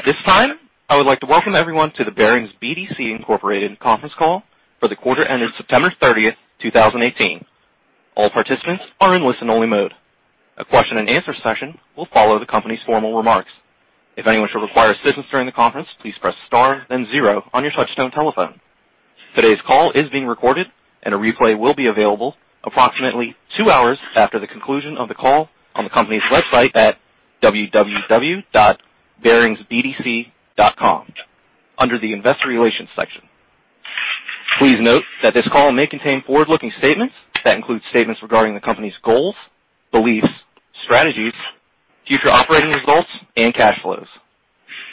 At this time, I would like to welcome everyone to the Barings BDC Incorporated Conference Call for the quarter ended September 30, 2018. All participants are in listen-only mode. A question and answer session will follow the company's formal remarks. If anyone should require assistance during the conference, please press star then zero on your touch-tone telephone. Today's call is being recorded, and a replay will be available approximately two hours after the conclusion of the call on the company's website at www.baringsbdc.com under the investor relations section. Please note that this call may contain forward-looking statements that include statements regarding the company's goals, beliefs, strategies, future operating results, and cash flows.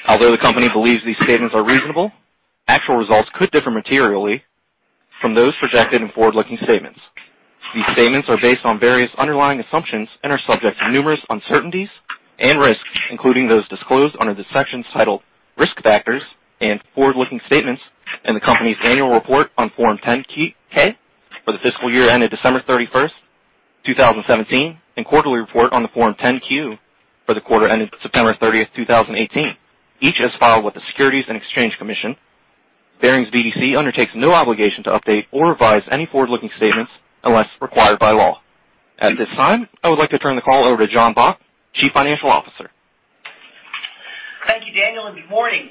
Although the company believes these statements are reasonable, actual results could differ materially from those projected in forward-looking statements. These statements are based on various underlying assumptions and are subject to numerous uncertainties and risks, including those disclosed under the sections titled Risk Factors and Forward-Looking Statements in the company's annual report on Form 10-K for the fiscal year ended December 31, 2017, and quarterly report on Form 10-Q for the quarter ended September 30, 2018, each as filed with the Securities and Exchange Commission. Barings BDC undertakes no obligation to update or revise any forward-looking statements unless required by law. At this time, I would like to turn the call over to Jon Bock, Chief Financial Officer. Thank you, Daniel, and good morning.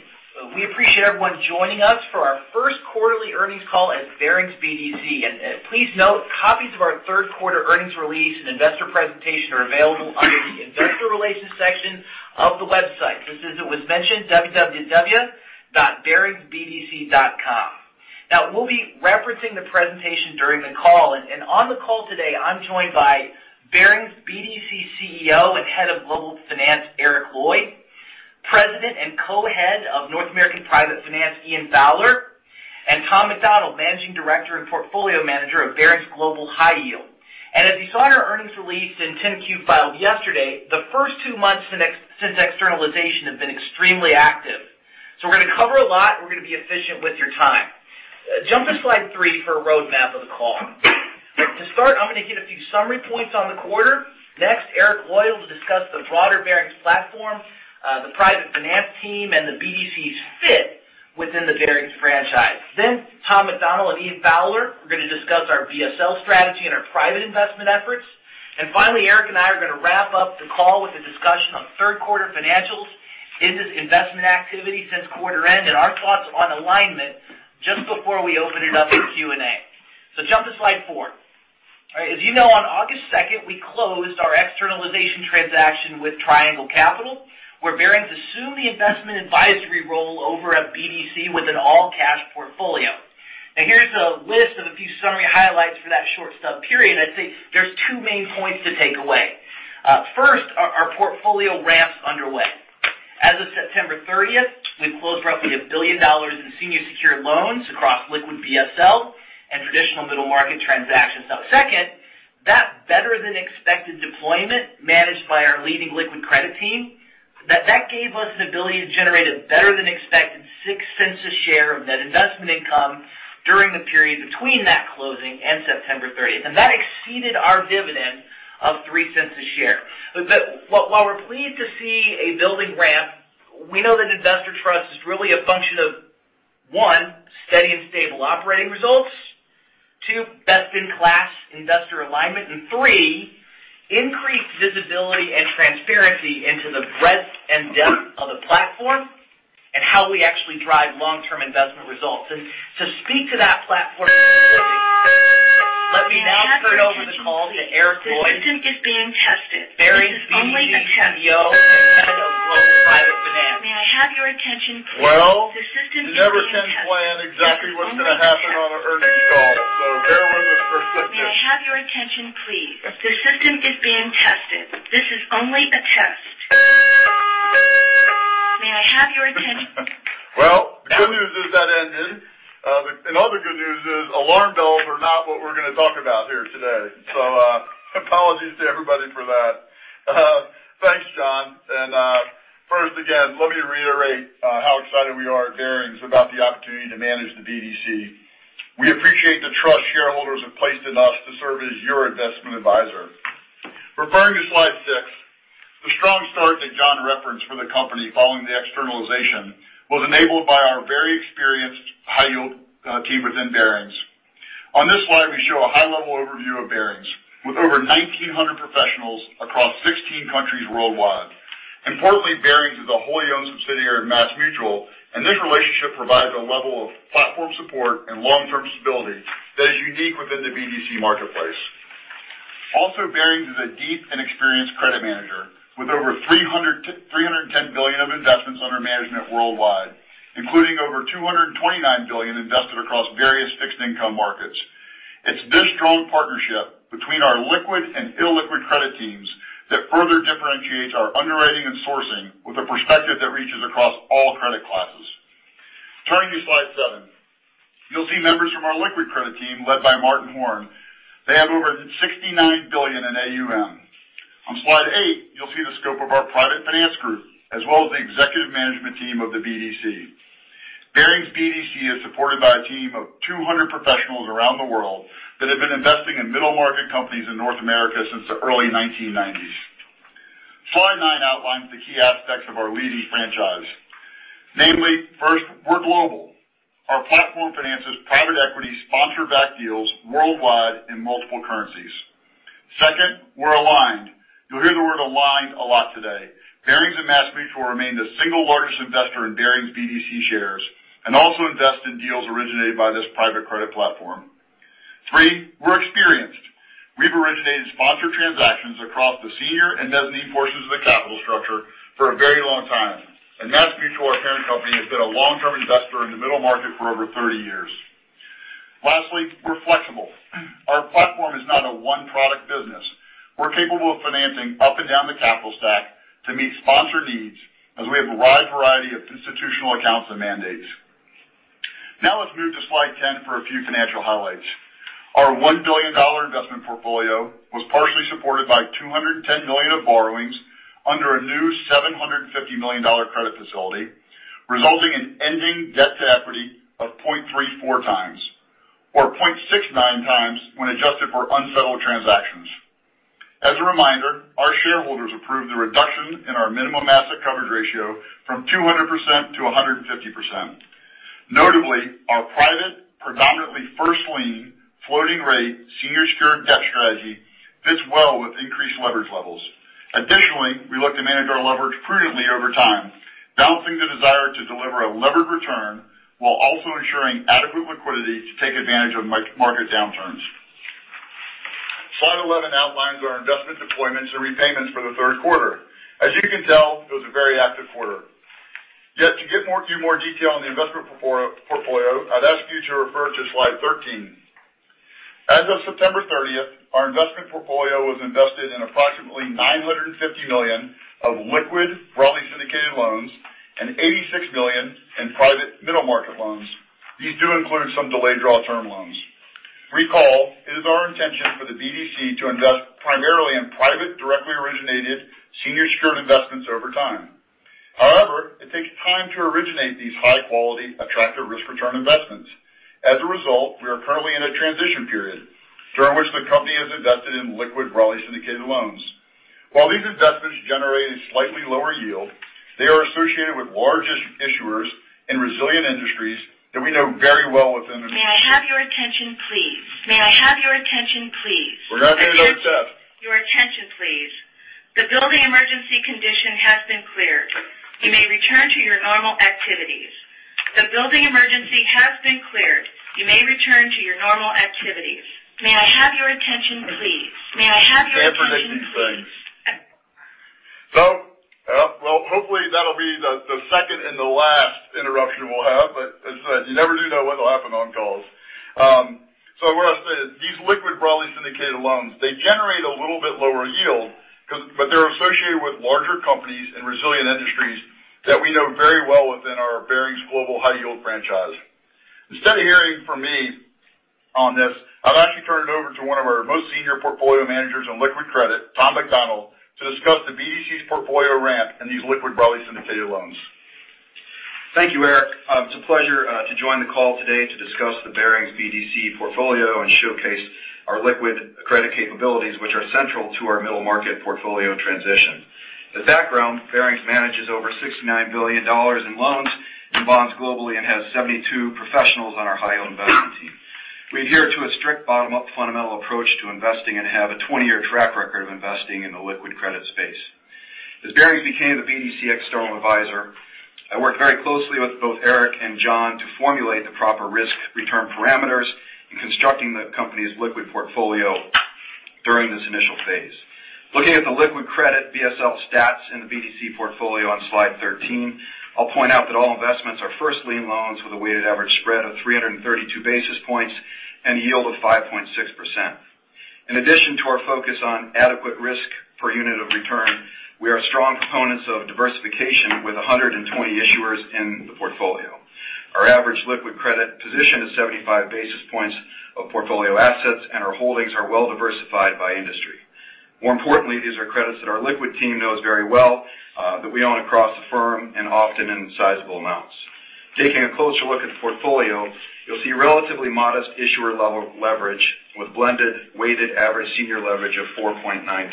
We appreciate everyone joining us for our first quarterly earnings call at Barings BDC. Please note, copies of our third quarter earnings release and investor presentation are available under the investor relations section of the website. This is, as was mentioned, www.baringsbdc.com. We'll be referencing the presentation during the call. On the call today, I'm joined by Barings BDC CEO and Head of Global Finance, Eric Lloyd; President and Co-head of North American Private Finance, Ian Fowler; and Tom McDonnell, Managing Director and Portfolio Manager of Barings Global High Yield. As you saw in our earnings release in 10-Q filed yesterday, the first two months since externalization have been extremely active. We're going to cover a lot, and we're going to be efficient with your time. Jump to slide three for a roadmap of the call. To start, I'm going to hit a few summary points on the quarter. Eric Lloyd will discuss the broader Barings platform, the private finance team, and the BDC's fit within the Barings franchise. Tom McDonnell and Ian Fowler are going to discuss our BSL strategy and our private investment efforts. Finally, Eric and I are going to wrap up the call with a discussion on third quarter financials, business investment activity since quarter end, and our thoughts on alignment just before we open it up to Q&A. Jump to slide four. All right. As you know, on August 2, we closed our externalization transaction with Triangle Capital, where Barings assumed the investment advisory role over a BDC with an all-cash portfolio. Here's a list of a few summary highlights for that short stub period. I'd say there's two main points to take away. First, our portfolio ramp's underway. As of September 30th, we've closed roughly $1 billion in senior secured loans across liquid BSL and traditional middle-market transactions. Second, that better-than-expected deployment managed by our leading liquid credit team, that gave us an ability to generate a better-than-expected $0.06 a share of net investment income during the period between that closing and September 30th. That exceeded our dividend of $0.03 a share. While we're pleased to see a building ramp, we know that investor trust is really a function of, one, steady and stable operating results, two, best-in-class investor alignment, and three, increased visibility and transparency into the breadth and depth of the platform and how we actually drive long-term investment results. To speak to that platform. Let me now turn over the call to Eric Lloyd, Barings BDC CEO and Head of Global Private Finance. Well you never can plan exactly what's going to happen on an earnings call, bear with us for a second. The good news is that ended. All the good news is alarm bells are not what we're going to talk about here today. Apologies to everybody for that. Thanks, Jon. First, again, let me reiterate how excited we are at Barings about the opportunity to manage the BDC. We appreciate the trust shareholders have placed in us to serve as your investment advisor. Referring to slide six, the strong start that Jon referenced for the company following the externalization was enabled by our very experienced high yield team within Barings. On this slide, we show a high-level overview of Barings with over 1,900 professionals across 16 countries worldwide. Importantly, Barings is a wholly-owned subsidiary of MassMutual, and this relationship provides a level of platform support and long-term stability that is unique within the BDC marketplace. Barings is a deep and experienced credit manager with over $310 billion of investments under management worldwide, including over $229 billion invested across various fixed income markets. It's this strong partnership between our liquid and illiquid credit teams that further differentiates our underwriting and sourcing with a perspective that reaches across all credit classes. Turning to slide seven, you'll see members from our liquid credit team, led by Martin Horn. They have over $69 billion in AUM. On slide eight, you'll see the scope of our Private Finance Group, as well as the executive management team of the BDC. Barings BDC is supported by a team of 200 professionals around the world that have been investing in middle-market companies in North America since the early 1990s. Slide nine outlines the key aspects of our leading franchise. Namely, first, we're global. Our platform finances private equity sponsor-backed deals worldwide in multiple currencies. Second, we're aligned. You'll hear the word aligned a lot today. Barings and MassMutual remain the single largest investor in Barings BDC shares and also invest in deals originated by this private credit platform. Three, we're experienced. We've originated sponsor transactions across the senior and mezzanine portions of the capital structure for a very long time. MassMutual, our parent company, has been a long-term investor in the middle market for over 30 years. Lastly, we're flexible. Our platform is not a one-product business. We're capable of financing up and down the capital stack to meet sponsor needs, as we have a wide variety of institutional accounts and mandates. Let's move to slide 10 for a few financial highlights. Our $1 billion investment portfolio was partially supported by $210 million of borrowings under a new $750 million credit facility, resulting in ending debt-to-equity of 0.34x or 0.69x when adjusted for unsettled transactions. As a reminder, our shareholders approved the reduction in our minimum asset coverage ratio from 200% to 150%. Notably, our private, predominantly first-lien, floating rate, senior secured debt strategy fits well with increased leverage levels. Additionally, we look to manage our leverage prudently over time, balancing the desire to deliver a levered return while also ensuring adequate liquidity to take advantage of market downturns. Slide 11 outlines our investment deployments and repayments for the third quarter. As you can tell, it was a very active quarter. To give you more detail on the investment portfolio, I'd ask you to refer to slide 13. As of September 30th, our investment portfolio was invested in approximately $950 million of liquid broadly syndicated loans and $86 million in private middle market loans. These do include some delayed draw term loans. Recall, it is our intention for the BDC to invest primarily in private, directly originated senior secured investments over time. However, it takes time to originate these high-quality, attractive risk-return investments. As a result, we are currently in a transition period during which the company has invested in liquid broadly syndicated loans. While these investments generate a slightly lower yield, they are associated with large issuers in resilient industries that we know very well within. We're going to finish our set. Well, hopefully, that'll be the second and the last interruption we'll have. As I said, you never do know what'll happen on calls. What I'll say is these liquid broadly syndicated loans, they generate a little bit lower yield, but they're associated with larger companies in resilient industries that we know very well within our Barings Global High Yield franchise. Instead of hearing from me on this, I'll actually turn it over to one of our most senior portfolio managers on liquid credit, Tom McDonnell, to discuss the BDC's portfolio ramp and these liquid broadly syndicated loans. Thank you, Eric. It's a pleasure to join the call today to discuss the Barings BDC portfolio and showcase our liquid credit capabilities, which are central to our middle market portfolio transition. As background, Barings manages over $69 billion in loans and bonds globally and has 72 professionals on our high yield investment team. We adhere to a strict bottom-up fundamental approach to investing and have a 20-year track record of investing in the liquid credit space. As Barings became the BDC external advisor, I worked very closely with both Eric and Jon to formulate the proper risk-return parameters in constructing the company's liquid portfolio during this initial phase. Looking at the liquid credit BSL stats in the BDC portfolio on slide 13, I'll point out that all investments are first-lien loans with a weighted average spread of 332 basis points and a yield of 5.6%. In addition to our focus on adequate risk per unit of return, we are strong proponents of diversification with 120 issuers in the portfolio. Our average liquid credit position is 75 basis points of portfolio assets, and our holdings are well diversified by industry. More importantly, these are credits that our liquid team knows very well that we own across the firm and often in sizable amounts. Taking a closer look at the portfolio, you'll see relatively modest issuer leverage with blended weighted average senior leverage of 4.9x.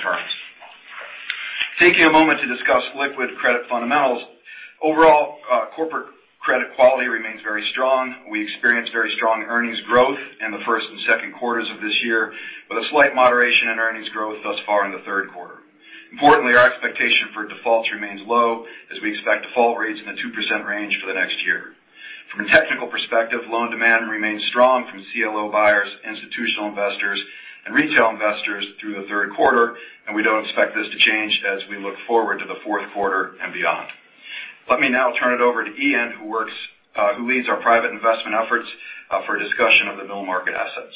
Taking a moment to discuss liquid credit fundamentals, overall corporate credit quality remains very strong. We experienced very strong earnings growth in the first and second quarters of this year, with a slight moderation in earnings growth thus far in the third quarter. Importantly, our expectation for defaults remains low as we expect default rates in the 2% range for the next year. From a technical perspective, loan demand remains strong from CLO buyers, institutional investors, and retail investors through the third quarter, and we don't expect this to change as we look forward to the fourth quarter and beyond. Let me now turn it over to Ian, who leads our private investment efforts, for a discussion of the middle market assets.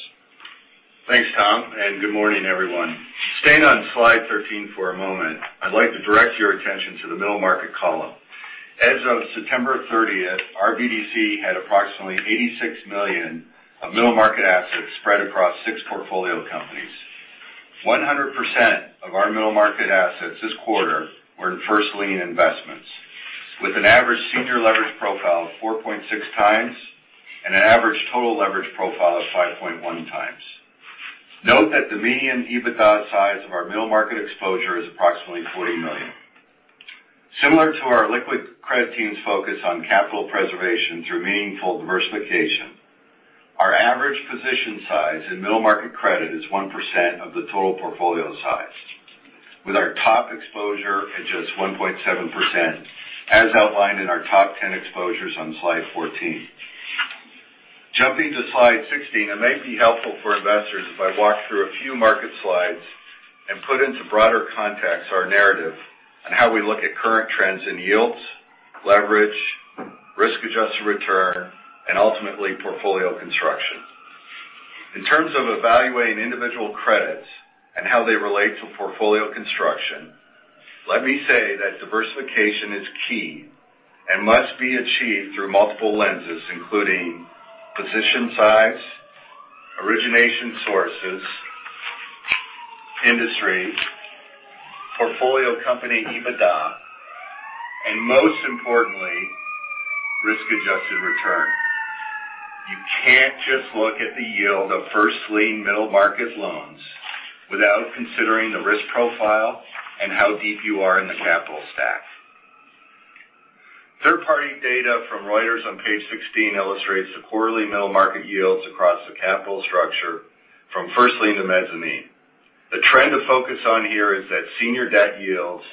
Thanks, Tom, and good morning, everyone. Staying on slide 13 for a moment, I'd like to direct your attention to the middle market column. As of September 30th, our BDC had approximately $86 million of middle market assets spread across six portfolio companies. 100% of our middle market assets this quarter were in first lien investments with an average senior leverage profile of 4.6x and an average total leverage profile of 5.1x. Note that the median EBITDA size of our middle market exposure is approximately $40 million. Similar to our liquid credit team's focus on capital preservation through meaningful diversification, our average position size in middle market credit is 1% of the total portfolio size, with our top exposure at just 1.7%, as outlined in our top 10 exposures on slide 14. Jumping to slide 16, it may be helpful for investors if I walk through a few market slides and put into broader context our narrative on how we look at current trends in yields, leverage, risk-adjusted return, and ultimately, portfolio construction. In terms of evaluating individual credits and how they relate to portfolio construction, let me say that diversification is key and must be achieved through multiple lenses, including position size, origination sources, industry, portfolio company EBITDA, and most importantly, risk-adjusted return. You can't just look at the yield of first lien middle market loans without considering the risk profile and how deep you are in the capital stack. Third-party data from Reuters on page 16 illustrates the quarterly middle market yields across the capital structure from first lien to mezzanine. The trend to focus on here is that senior debt yields,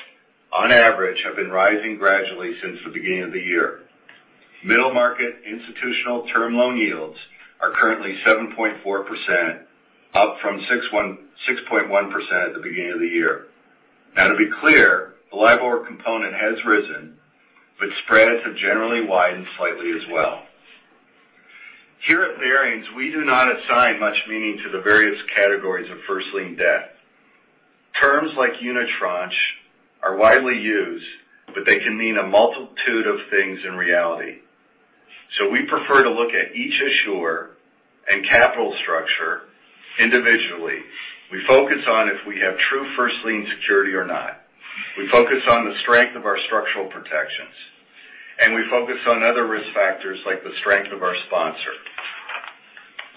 on average, have been rising gradually since the beginning of the year. Middle market institutional term loan yields are currently 7.4%, up from 6.1% at the beginning of the year. Now, to be clear, the LIBOR component has risen, but spreads have generally widened slightly as well. Here at Barings, we do not assign much meaning to the various categories of first lien debt. Terms like unitranche are widely used, but they can mean a multitude of things in reality. We prefer to look at each issuer and capital structure individually. We focus on if we have true first lien security or not. We focus on the strength of our structural protections, and we focus on other risk factors like the strength of our sponsor.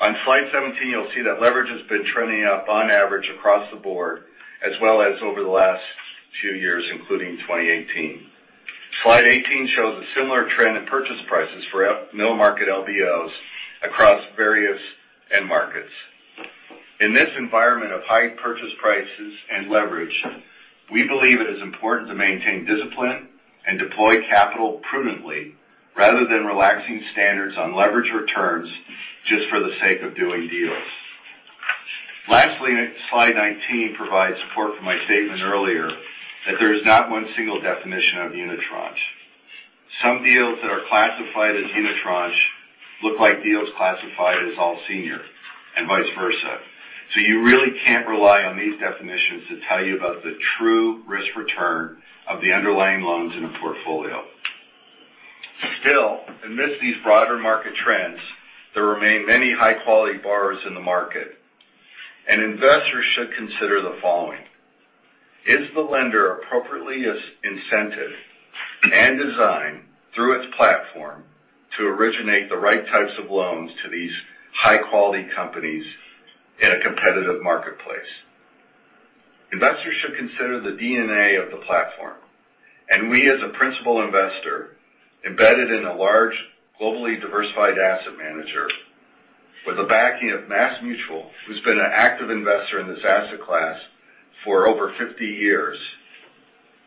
On slide 17, you'll see that leverage has been trending up on average across the board, as well as over the last few years, including 2018. Slide 18 shows a similar trend in purchase prices for middle market LBOs across various end markets. In this environment of high purchase prices and leverage, we believe it is important to maintain discipline and deploy capital prudently rather than relaxing standards on leverage returns just for the sake of doing deals. Lastly, slide 19 provides support for my statement earlier that there is not one single definition of unitranche. Some deals that are classified as unitranche look like deals classified as all senior and vice versa. You really can't rely on these definitions to tell you about the true risk return of the underlying loans in a portfolio. Still, amidst these broader market trends, there remain many high-quality borrowers in the market, and investors should consider the following. Is the lender appropriately incented and designed through its platform to originate the right types of loans to these high-quality companies in a competitive marketplace? Investors should consider the DNA of the platform. We, as a principal investor embedded in a large, globally diversified asset manager with the backing of MassMutual, who's been an active investor in this asset class for over 50 years,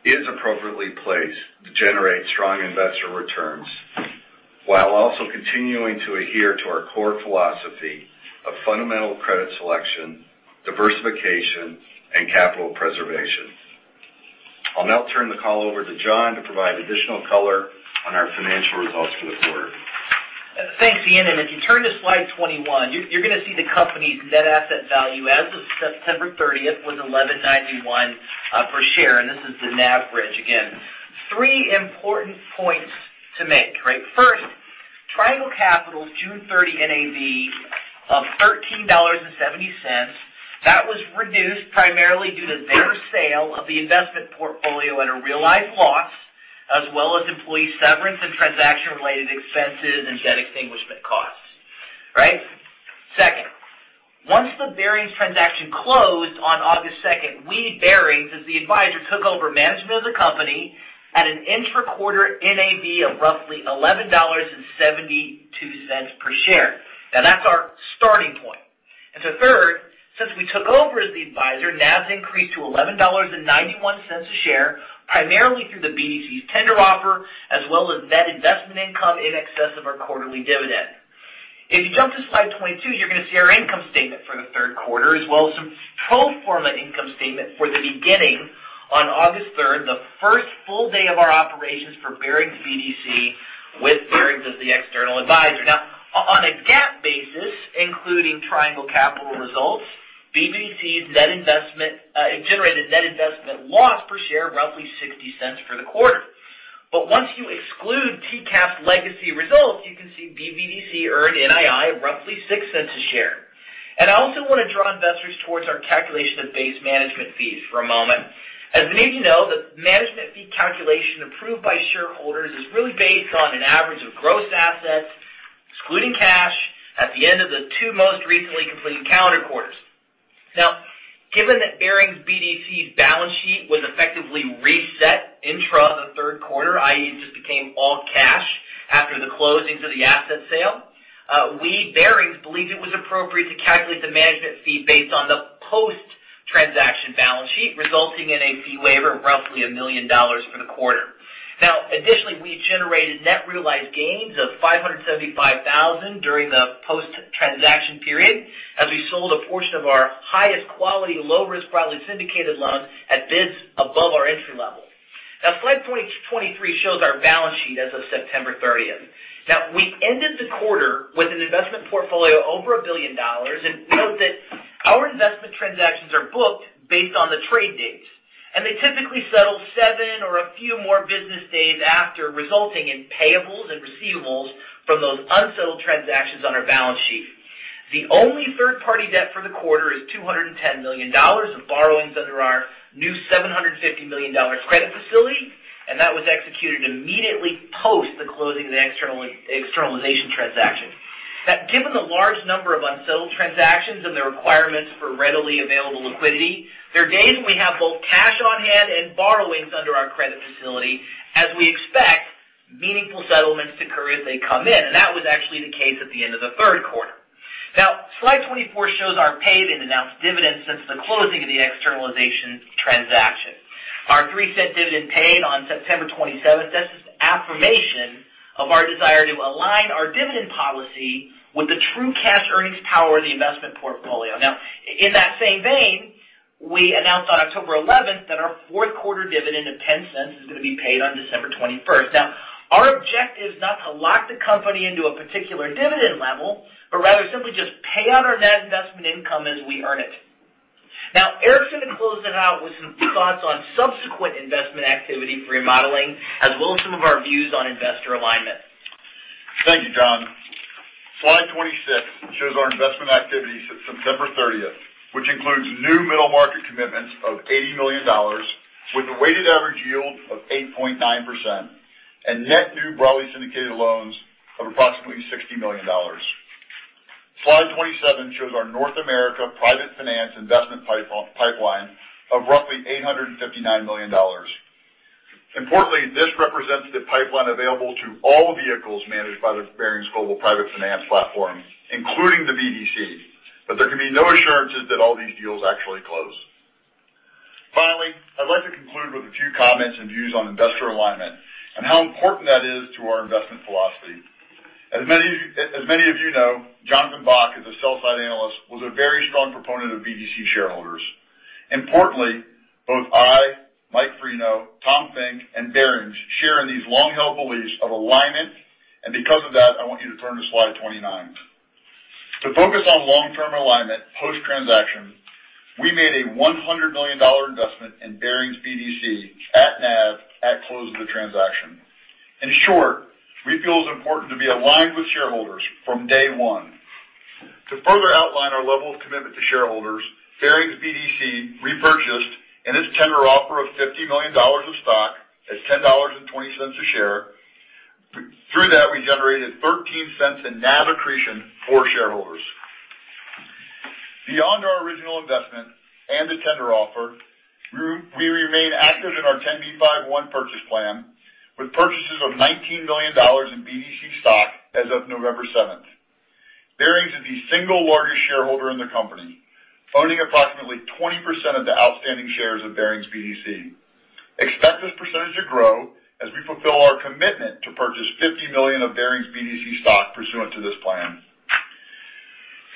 is appropriately placed to generate strong investor returns while also continuing to adhere to our core philosophy of fundamental credit selection, diversification, and capital preservation. I'll now turn the call over to Jon to provide additional color on our financial results for the quarter. Thanks, Ian. If you turn to slide 21, you're going to see the company's net asset value as of September 30th was $11.91 per share. This is the NAV bridge again. Three important points to make. First, Triangle Capital's June 30 NAV of $13.70, that was reduced primarily due to their sale of the investment portfolio at a realized loss, as well as employee severance and transaction-related expenses and debt extinguishment costs. Second, once the Barings transaction closed on August 2, we, Barings, as the advisor, took over management of the company at an intra-quarter NAV of roughly $11.72 per share. Now, that's our starting point. Third, since we took over as the advisor, NAV's increased to $11.91 a share, primarily through the BDC's tender offer, as well as net investment income in excess of our quarterly dividend. If you jump to slide 22, you're going to see our income statement for the third quarter, as well as some pro forma income statement for the beginning on August 3, the first full day of our operations for Barings BDC with Barings as the external advisor. Now, on a GAAP basis, including Triangle Capital results, BBDC's net investment generated net investment loss per share of roughly $0.60 for the quarter. But once you exclude TCAP's legacy results, you can see BBDC earned NII of roughly $0.06 a share. I also want to draw investors towards our calculation of base management fees for a moment. As many of you know, the management fee calculation approved by shareholders is really based on an average of gross assets, excluding cash, at the end of the two most recently completed calendar quarters. Now, given that Barings BDC's balance sheet was effectively reset intra the third quarter, i.e., it just became all cash after the closings of the asset sale. We at Barings believed it was appropriate to calculate the management fee based on the post-transaction balance sheet, resulting in a fee waiver of roughly $1 million for the quarter. Additionally, we generated net realized gains of $575,000 during the post-transaction period, as we sold a portion of our highest quality, low-risk broadly syndicated loans at bids above our entry level. Slide 23 shows our balance sheet as of September 30th. We ended the quarter with an investment portfolio over $1 billion, and note that our investment transactions are booked based on the trade dates. They typically settle seven or a few more business days after, resulting in payables and receivables from those unsettled transactions on our balance sheet. The only third-party debt for the quarter is $210 million of borrowings under our new $750 million credit facility, and that was executed immediately post the closing of the externalization transaction. Given the large number of unsettled transactions and the requirements for readily available liquidity, there are days when we have both cash on hand and borrowings under our credit facility, as we expect meaningful settlements to occur as they come in. That was actually the case at the end of the third quarter. Slide 24 shows our paid and announced dividends since the closing of the externalization transaction. Our $0.03 dividend paid on September 27th, that's just affirmation of our desire to align our dividend policy with the true cash earnings power of the investment portfolio. In that same vein, we announced on October 11th that our fourth quarter dividend of $0.10 is going to be paid on December 21st. Our objective is not to lock the company into a particular dividend level, but rather simply just pay out our net investment income as we earn it. Eric's going to close it out with some thoughts on subsequent investment activity for remodeling, as well as some of our views on investor alignment. Thank you, Jon. Slide 26 shows our investment activity since September 30th, which includes new middle market commitments of $80 million, with a weighted average yield of 8.9%, and net new broadly syndicated loans of approximately $60 million. Slide 27 shows our North America Private Finance investment pipeline of roughly $859 million. Importantly, this represents the pipeline available to all vehicles managed by the Barings Global Private Finance platform, including the BDC. There can be no assurances that all these deals actually close. Finally, I'd like to conclude with a few comments and views on investor alignment and how important that is to our investment philosophy. As many of you know, Jonathan Bock, as a sell side analyst, was a very strong proponent of BDC shareholders. Importantly, both I, Mike Freno, Tom Finke, and Barings share in these long-held beliefs of alignment. Because of that, I want you to turn to slide 29. To focus on long-term alignment post-transaction, we made a $100 million investment in Barings BDC at NAV at close of the transaction. In short, we feel it's important to be aligned with shareholders from day one. To further outline our level of commitment to shareholders, Barings BDC repurchased in its tender offer of $50 million of stock at $10.20 a share. Through that, we generated $0.13 in NAV accretion for shareholders. Beyond our original investment and the tender offer, we remain active in our 10b5-1 purchase plan, with purchases of $19 million in BDC stock as of November seventh. Barings is the single largest shareholder in the company, owning approximately 20% of the outstanding shares of Barings BDC. Expect this percentage to grow as we fulfill our commitment to purchase $50 million of Barings BDC stock pursuant to this plan.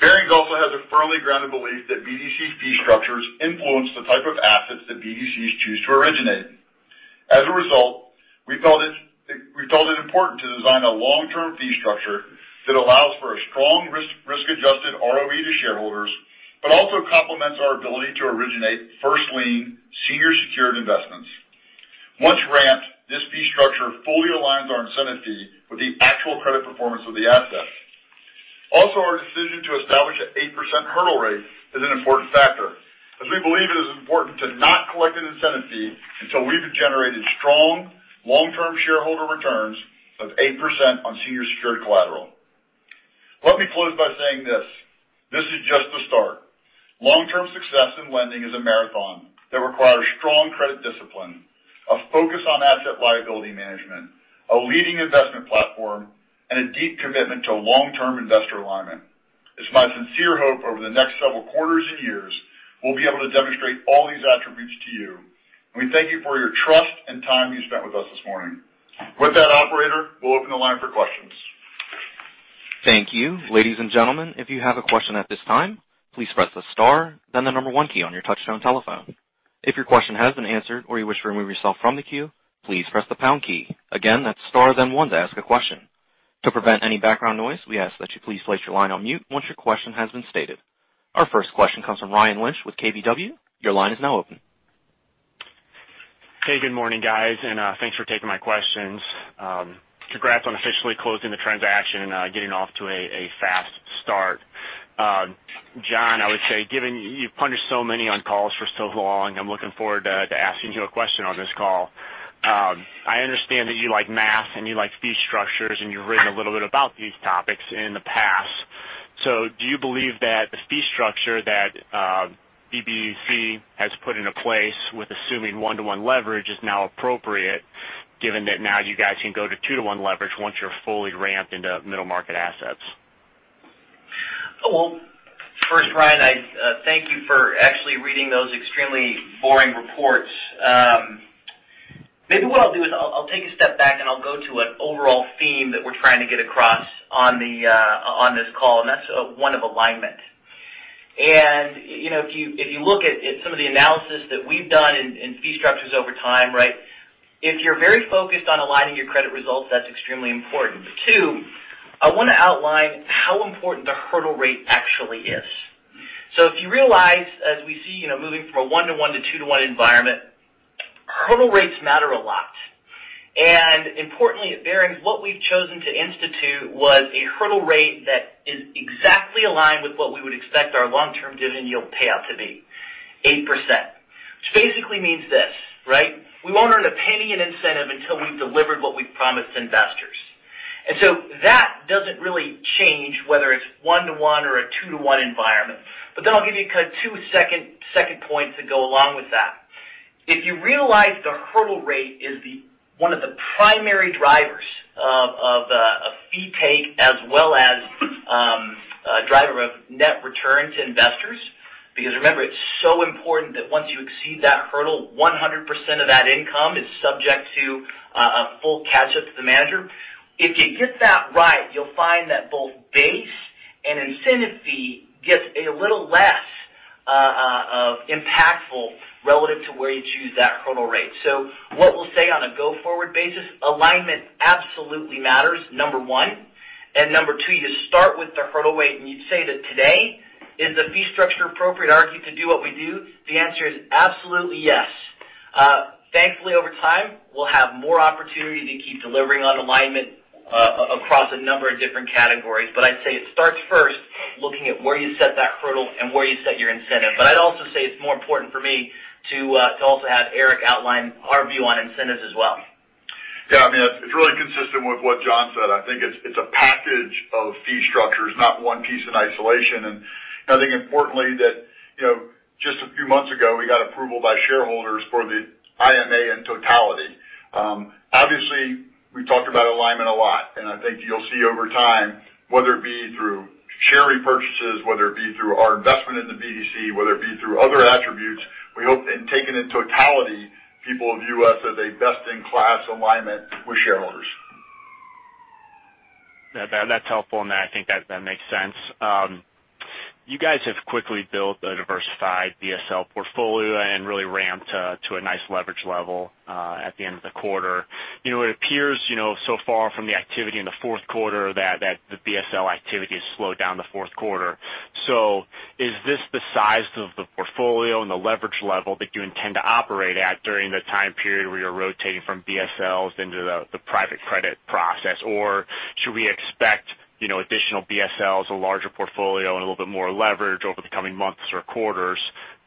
Barings also has a firmly grounded belief that BDC fee structures influence the type of assets that BDCs choose to originate. As a result, we felt it important to design a long-term fee structure that allows for a strong risk-adjusted ROE to shareholders, complements our ability to originate first lien senior secured investments. Once ramped, this fee structure fully aligns our incentive fee with the actual credit performance of the asset. Our decision to establish an 8% hurdle rate is an important factor, as we believe it is important to not collect an incentive fee until we've generated strong, long-term shareholder returns of 8% on senior secured collateral. Let me close by saying this. This is just the start. Long-term success in lending is a marathon that requires strong credit discipline, a focus on asset liability management, a leading investment platform, and a deep commitment to long-term investor alignment. It's my sincere hope over the next several quarters and years, we'll be able to demonstrate all these attributes to you. We thank you for your trust and time you spent with us this morning. With that operator, we'll open the line for questions. Thank you. Ladies and gentlemen, if you have a question at this time, please press the star, then the number one key on your touchtone telephone. If your question has been answered or you wish to remove yourself from the queue, please press the pound key. Again, that's star then one to ask a question. To prevent any background noise, we ask that you please place your line on mute once your question has been stated. Our first question comes from Ryan Lynch with KBW. Your line is now open. Hey, good morning, guys, and thanks for taking my questions. Congrats on officially closing the transaction and getting off to a fast start. Jon, I would say given you've punished so many on calls for so long, I'm looking forward to asking you a question on this call. I understand that you like math and you like fee structures, you've written a little bit about these topics in the past. Do you believe that the fee structure that BDC has put into place with assuming one-to-one leverage is now appropriate given that now you guys can go to two-to-one leverage once you're fully ramped into middle-market assets? First, Ryan, I thank you for actually reading those extremely boring reports. Maybe what I'll do is I'll take a step back and I'll go to an overall theme that we're trying to get across on this call, and that's one of alignment. If you look at some of the analysis that we've done in fee structures over time, if you're very focused on aligning your credit results, that's extremely important. Two, I want to outline how important the hurdle rate actually is. If you realize, as we see moving from a one-to-one to two-to-one environment, hurdle rates matter a lot. Importantly at Barings, what we've chosen to institute was a hurdle rate that is exactly aligned with what we would expect our long-term dividend yield payout to be, 8%, which basically means this. We won't earn a penny in incentive until we've delivered what we've promised investors. That doesn't really change whether it's one-to-one or a two-to-one environment. I'll give you two second points that go along with that. If you realize the hurdle rate is one of the primary drivers of a fee take as well as a driver of net return to investors, because remember, it's so important that once you exceed that hurdle, 100% of that income is subject to a full catch-up to the manager. If you get that right, you'll find that both base and incentive fee gets a little less impactful relative to where you choose that hurdle rate. What we'll say on a go-forward basis, alignment absolutely matters, number one. Number two, you start with the hurdle rate and you'd say that today, is the fee structure appropriate, argue to do what we do? The answer is absolutely yes. Thankfully, over time, we'll have more opportunity to keep delivering on alignment across a number of different categories. I'd say it starts first looking at where you set that hurdle and where you set your incentive. I'd also say it's more important for me to also have Eric outline our view on incentives as well. Yeah, it's really consistent with what Jon said. I think it's a package of fee structures, not one piece in isolation. I think importantly that just a few months ago, we got approval by shareholders for the IMA in totality. Obviously, we've talked about alignment a lot, and I think you'll see over time, whether it be through share repurchases, whether it be through our investment in the BDC, whether it be through other attributes, we hope, and taken in totality, people view us as a best-in-class alignment with shareholders. That's helpful, I think that makes sense. You guys have quickly built a diversified BSL portfolio and really ramped to a nice leverage level at the end of the quarter. It appears so far from the activity in the fourth quarter that the BSL activity has slowed down the fourth quarter. Is this the size of the portfolio and the leverage level that you intend to operate at during the time period where you're rotating from BSLs into the private credit process? Should we expect additional BSLs, a larger portfolio, and a little bit more leverage over the coming months or quarters?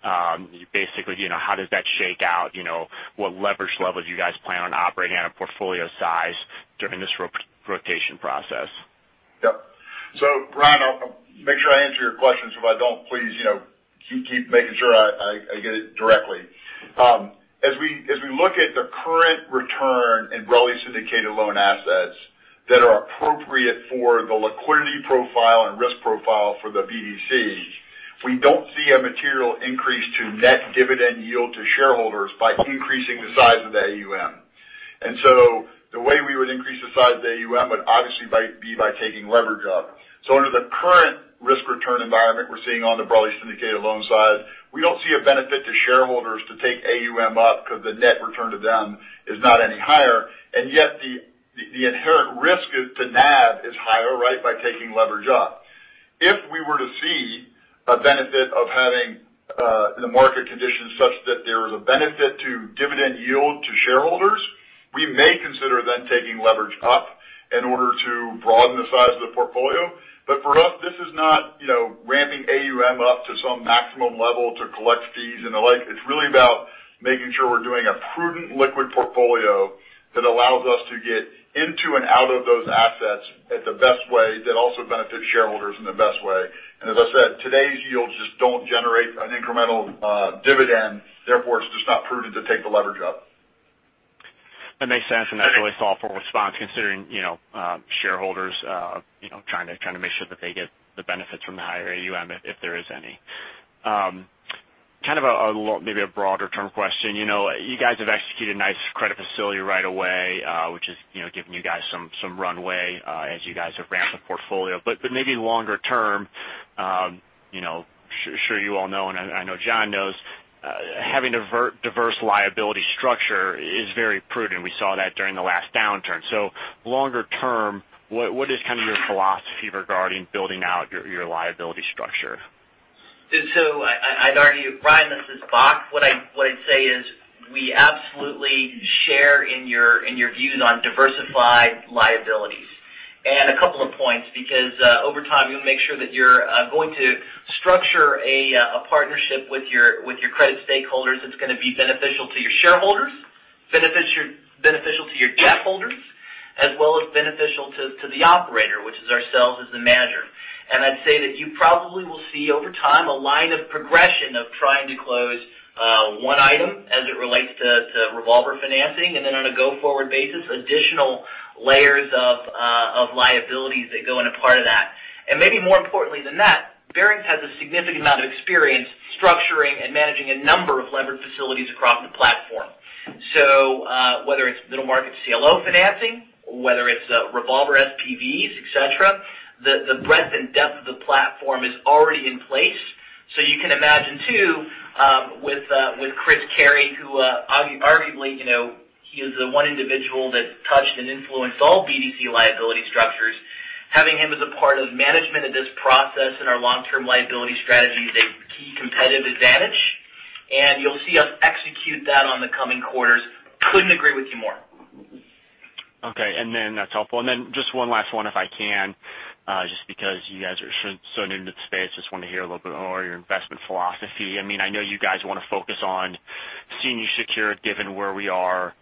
How does that shake out? What leverage levels you guys plan on operating at a portfolio size during this rotation process? Yep. Ryan, I'll make sure I answer your questions. If I don't, please keep making sure I get it directly. As we look at the current return in broadly syndicated loan assets that are appropriate for the liquidity profile and risk profile for the BDC, we don't see a material increase to net dividend yield to shareholders by increasing the size of the AUM. The way we would increase the size of the AUM would obviously be by taking leverage up. Under the current risk return environment we're seeing on the broadly syndicated loan side, we don't see a benefit to shareholders to take AUM up because the net return to them is not any higher, and yet the inherent risk to NAV is higher by taking leverage up. If we were to see a benefit of having the market conditions such that there is a benefit to dividend yield to shareholders, we may consider then taking leverage up in order to broaden the size of the portfolio. For us, this is not ramping AUM up to some maximum level to collect fees and the like. It's really about making sure we're doing a prudent liquid portfolio that allows us to get into and out of those assets at the best way that also benefits shareholders in the best way. As I said, today's yields just don't generate an incremental dividend. Therefore, it's just not prudent to take the leverage up. That makes sense. That's a really thoughtful response considering shareholders trying to make sure that they get the benefits from the higher AUM, if there is any. Kind of maybe a broader term question. You guys have executed a nice credit facility right away which has given you guys some runway as you guys have ramped the portfolio. Maybe longer term, I'm sure you all know, and I know Jon knows having a diverse liability structure is very prudent. We saw that during the last downturn. Longer term, what is kind of your philosophy regarding building out your liability structure? I'd argue, Ryan, this is Bock. What I'd say is we absolutely share in your views on diversified liabilities. A couple of points, because over time, you want to make sure that you're going to structure a partnership with your credit stakeholders that's going to be beneficial to your shareholders, beneficial to your debt holders, as well as beneficial to the operator, which is ourselves as the manager. I'd say that you probably will see over time a line of progression of trying to close one item as it relates to revolver financing, and then on a go-forward basis, additional layers of liabilities that go in a part of that. Maybe more importantly than that, Barings has a significant amount of experience structuring and managing a number of levered facilities across the platform. Whether it's middle market CLO financing, whether it's revolver SPVs, et cetera, the breadth and depth of the platform is already in place. You can imagine too, with Chris Carey, who arguably is the one individual that touched and influenced all BDC liability structures. Having him as a part of management in this process and our long-term liability strategy is a key competitive advantage, and you'll see us execute that on the coming quarters. Couldn't agree with you more. Okay. That's helpful. Just one last one if I can. Just because you guys are so new to the space, just want to hear a little bit more of your investment philosophy. I know you guys want to focus on senior secure given where we are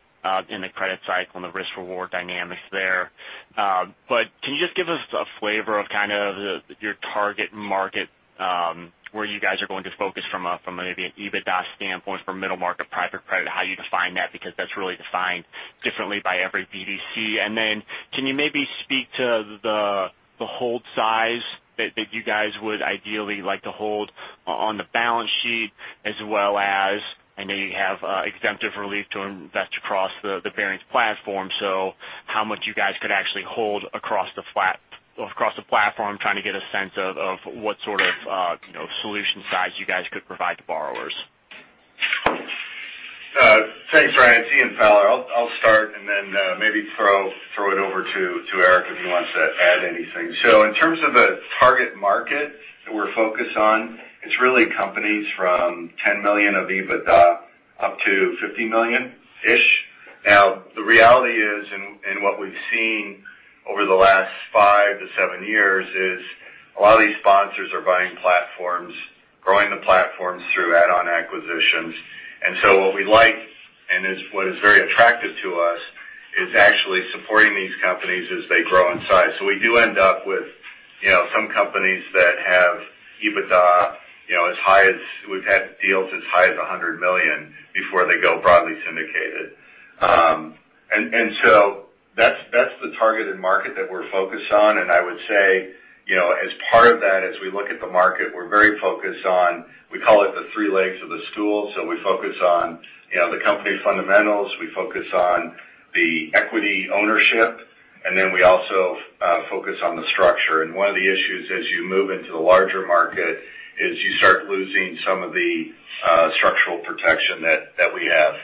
in the credit cycle and the risk-reward dynamics there. Can you just give us a flavor of your target market, where you guys are going to focus from maybe an EBITDA standpoint, from middle market, private credit, how you define that? Because that's really defined differently by every BDC. Can you maybe speak to the hold size that you guys would ideally like to hold on the balance sheet as well as I know you have exemptive relief to invest across the Barings platform, so how much you guys could actually hold across the platform? Trying to get a sense of what sort of solution size you guys could provide to borrowers. Thanks, Ryan. It's Ian Fowler. I'll start and then maybe throw it over to Eric if he wants to add anything. In terms of the target market that we're focused on, it's really companies from $10 million of EBITDA up to $50 million-ish. The reality is, and what we've seen over the last five to seven years, is a lot of these sponsors are buying platforms, growing the platforms through add-on acquisitions. What we like, and what is very attractive to us, is actually supporting these companies as they grow in size. We do end up with some companies that have EBITDA as high as we've had deals as high as $100 million before they go broadly syndicated. That's the targeted market that we're focused on. I would say, as part of that, as we look at the market, we're very focused on, we call it the three legs of the stool. We focus on the company fundamentals. We focus on the equity ownership, and then we also focus on the structure. One of the issues as you move into the larger market is you start losing some of the structural protection that we have.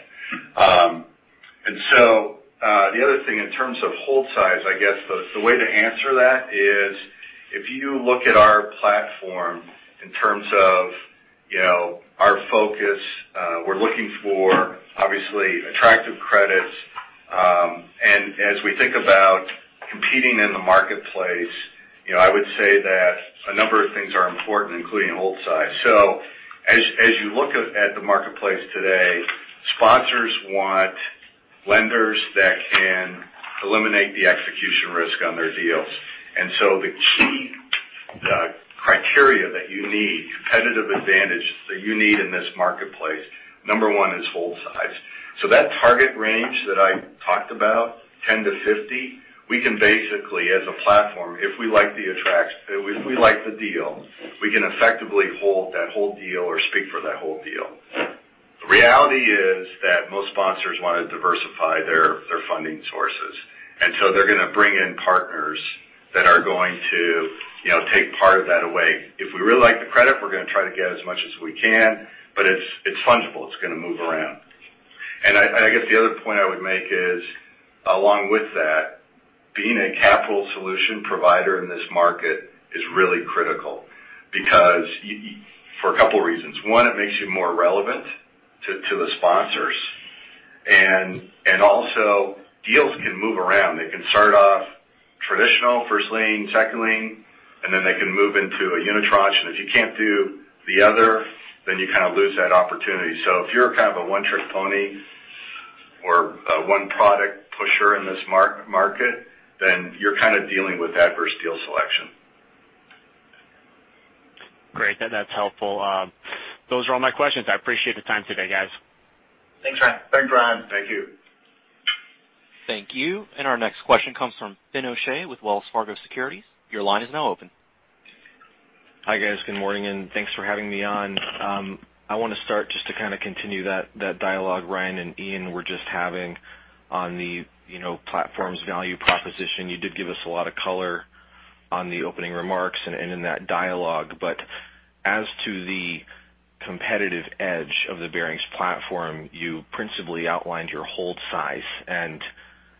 The other thing in terms of hold size, I guess, the way to answer that is if you look at our platform in terms of our focus, we're looking for, obviously, attractive credits. As we think about competing in the marketplace, I would say that a number of things are important, including hold size. As you look at the marketplace today, sponsors want lenders that can eliminate the execution risk on their deals. The key criteria that you need, competitive advantage that you need in this marketplace, number 1 is hold size. That target range that I talked about, $10-$50, we can basically as a platform, if we like the deal, we can effectively hold that whole deal or speak for that whole deal. The reality is that most sponsors want to diversify their funding sources, and so they're going to bring in partners that are going to take part of that away. If we really like the credit, we're going to try to get as much as we can, but it's fungible. It's going to move around. I guess the other point I would make is, along with that, being a capital solution provider in this market is really critical for a couple reasons. One, it makes you more relevant to the sponsors, and also deals can move around. They can start off traditional first lien, second lien, and then they can move into a unitranche. If you can't do the other, then you kind of lose that opportunity. If you're kind of a one-trick pony or a one-product pusher in this market, then you're kind of dealing with adverse deal selection. Great. That's helpful. Those are all my questions. I appreciate the time today, guys. Thanks, Ryan. Thanks, Ryan. Thank you. Thank you. Our next question comes from Finian O'Shea with Wells Fargo Securities. Your line is now open. Hi, guys. Good morning, thanks for having me on. I want to start just to kind of continue that dialogue Ryan and Ian were just having on the platform's value proposition. You did give us a lot of color on the opening remarks and in that dialogue. As to the competitive edge of the Barings platform. You principally outlined your hold size.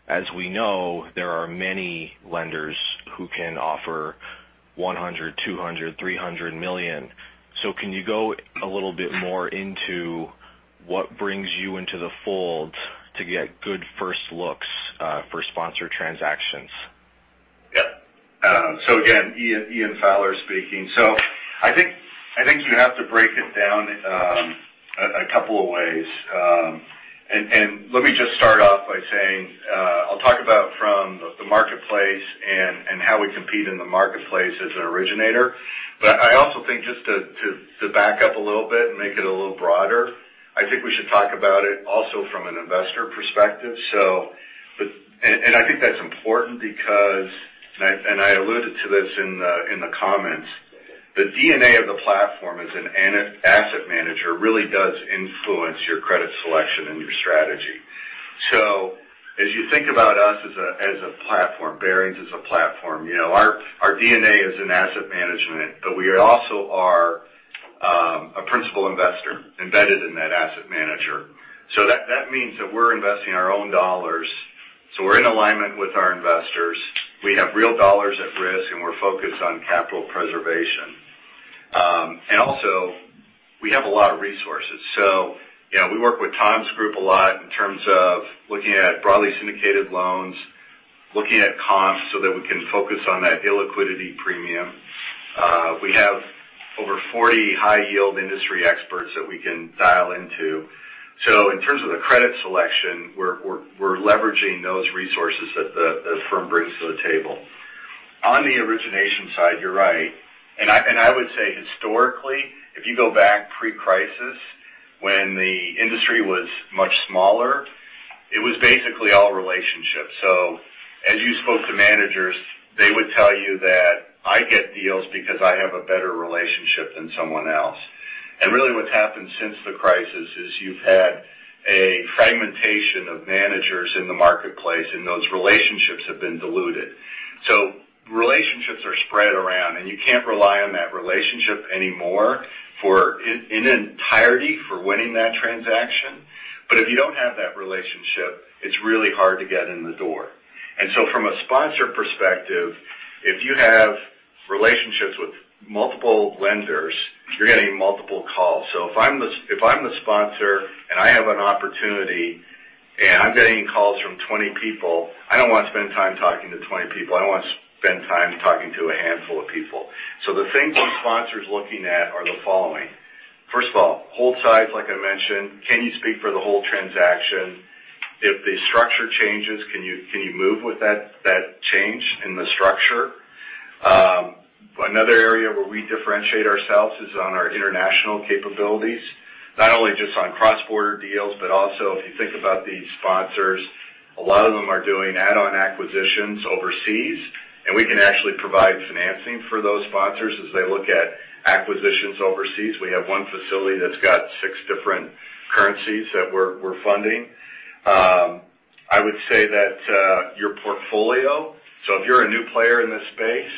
As we know, there are many lenders who can offer $100 million, $200 million, $300 million. Can you go a little bit more into what brings you into the fold to get good first looks for sponsored transactions? Yeah. Again, Ian Fowler speaking. I think you have to break it down a couple of ways. Let me just start off by saying, I'll talk about from the marketplace and how we compete in the marketplace as an originator. I also think just to back up a little bit and make it a little broader, I think we should talk about it also from an investor perspective. I think that's important because, and I alluded to this in the comments, the DNA of the platform as an asset manager really does influence your credit selection and your strategy. As you think about us as a platform, Barings as a platform, our DNA is in asset management, but we also are a principal investor embedded in that asset manager. That means that we're investing our own dollars. We're in alignment with our investors. We have real dollars at risk, and we're focused on capital preservation. We have a lot of resources. We work with Tom's group a lot in terms of looking at broadly syndicated loans, looking at comps so that we can focus on that illiquidity premium. We have over 40 high-yield industry experts that we can dial into. In terms of the credit selection, we're leveraging those resources that the firm brings to the table. On the origination side, you're right. I would say historically, if you go back pre-crisis, when the industry was much smaller, it was basically all relationships. As you spoke to managers, they would tell you that I get deals because I have a better relationship than someone else. Really what's happened since the crisis is you've had a fragmentation of managers in the marketplace, and those relationships have been diluted. Relationships are spread around, and you can't rely on that relationship anymore in entirety for winning that transaction. If you don't have that relationship, it's really hard to get in the door. From a sponsor perspective, if you have relationships with multiple lenders, you're getting multiple calls. If I'm the sponsor and I have an opportunity and I'm getting calls from 20 people, I don't want to spend time talking to 20 people. I want to spend time talking to a handful of people. The things that sponsors looking at are the following. First of all, hold size, like I mentioned. Can you speak for the whole transaction? If the structure changes, can you move with that change in the structure? Another area where we differentiate ourselves is on our international capabilities. Not only just on cross-border deals, but also if you think about the sponsors, a lot of them are doing add-on acquisitions overseas, and we can actually provide financing for those sponsors as they look at acquisitions overseas. We have one facility that's got six different currencies that we're funding. I would say that your portfolio. If you're a new player in this space,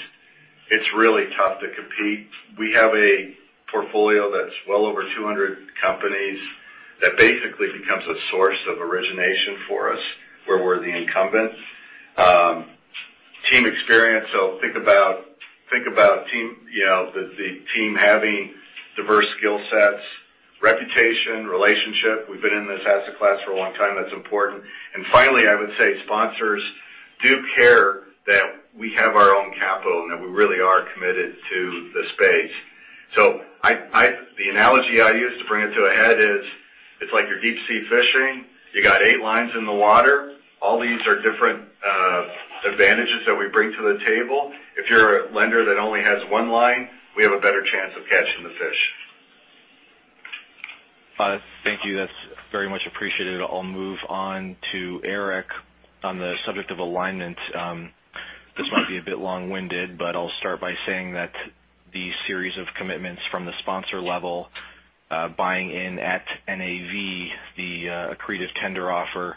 it's really tough to compete. We have a portfolio that's well over 200 companies that basically becomes a source of origination for us, where we're the incumbent. Team experience. Think about the team having diverse skill sets, reputation, relationship. We've been in this asset class for a long time. That's important. Finally, I would say sponsors do care that we have our own capital and that we really are committed to the space. The analogy I use to bring it to a head is, it's like you're deep-sea fishing. You got eight lines in the water. All these are different advantages that we bring to the table. If you're a lender that only has one line, we have a better chance of catching the fish. Thank you. That's very much appreciated. I'll move on to Eric on the subject of alignment. This might be a bit long-winded, but I'll start by saying that the series of commitments from the sponsor level buying in at NAV, the accretive tender offer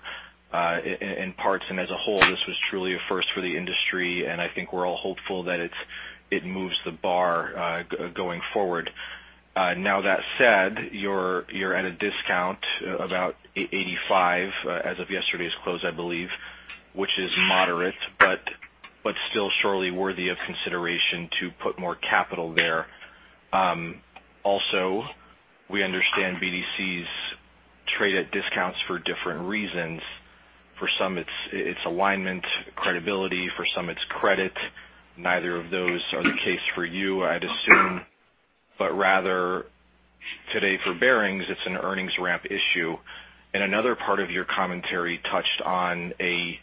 in parts and as a whole, this was truly a first for the industry, and I think we're all hopeful that it moves the bar going forward. That said, you're at a discount about 85 as of yesterday's close, I believe, which is moderate, but still surely worthy of consideration to put more capital there. Also, we understand BDCs trade at discounts for different reasons. For some, it's alignment, credibility. For some, it's credit. Neither of those are the case for you, I'd assume. Rather, today for Barings, it's an earnings ramp issue. Another part of your commentary touched on a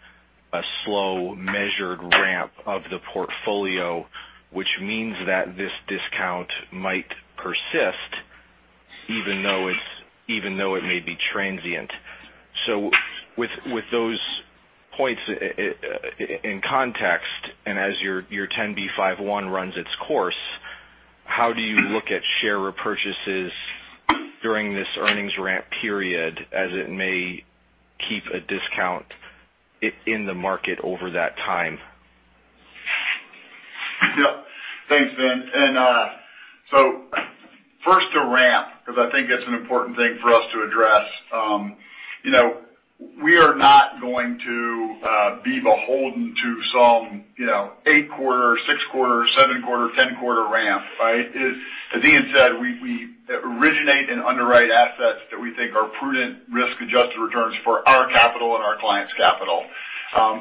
slow, measured ramp of the portfolio, which means that this discount might persist even though it may be transient. With those points in context, as your 10b5-1 runs its course, how do you look at share repurchases during this earnings ramp period as it may keep a discount in the market over that time? Yeah. Thanks, Fin. First to ramp, because I think that's an important thing for us to address. We are not going to be beholden to some eight quarter, six quarter, seven quarter, 10 quarter ramp, right? As Ian said, we originate and underwrite assets that we think are prudent risk-adjusted returns for our capital and our clients' capital.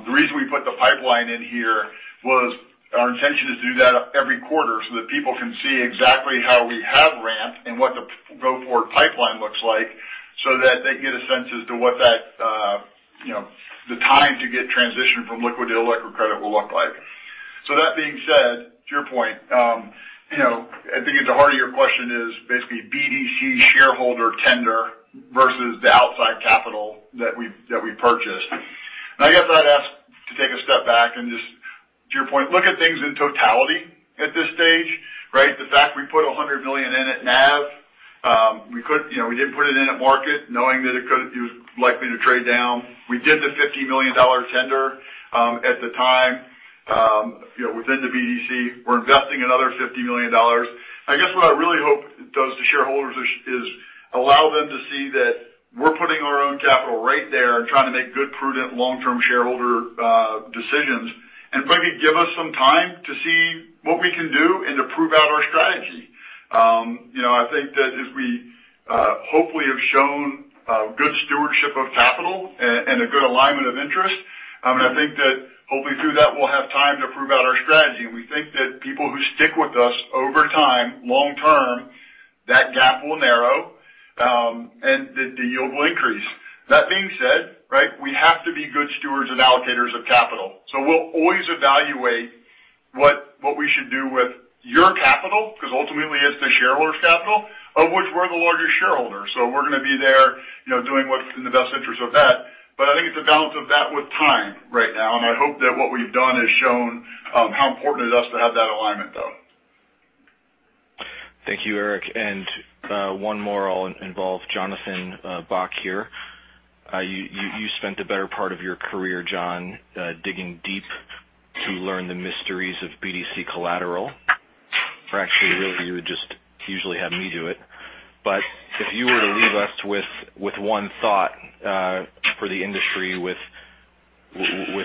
The reason we put the pipeline in here was our intention is to do that every quarter so that people can see exactly how we have ramped and what the go-forward pipeline looks like so that they can get a sense as to what the time to get transitioned from liquid to illiquid credit will look like. That being said, to your point, I think at the heart of your question is basically BDC shareholder tender versus the outside capital that we purchased. I guess I'd ask to take a step back and just to your point, look at things in totality at this stage, right? The fact we put $100 million in at NAV. We didn't put it in at market knowing that it was likely to trade down. We did the $50 million tender, at the time, within the BDC. We're investing another $50 million. I guess what I really hope does to shareholders is allow them to see that we're putting our own capital right there and trying to make good, prudent, long-term shareholder decisions, and if I could give us some time to see what we can do and to prove out our strategy. I think that as we hopefully have shown good stewardship of capital and a good alignment of interest, and I think that hopefully through that, we'll have time to prove out our strategy. We think that people who stick with us over time, long term, that gap will narrow, and the yield will increase. That being said, we have to be good stewards and allocators of capital. We'll always evaluate what we should do with your capital, because ultimately it's the shareholders' capital, of which we're the largest shareholder. We're going to be there doing what's in the best interest of that. I think it's a balance of that with time right now, and I hope that what we've done has shown how important it is to us to have that alignment, though. Thank you, Eric. One more. I'll involve Jonathan Bock here. You spent the better part of your career, Jon, digging deep to learn the mysteries of BDC collateral. Actually, you would just usually have me do it. If you were to leave us with one thought for the industry with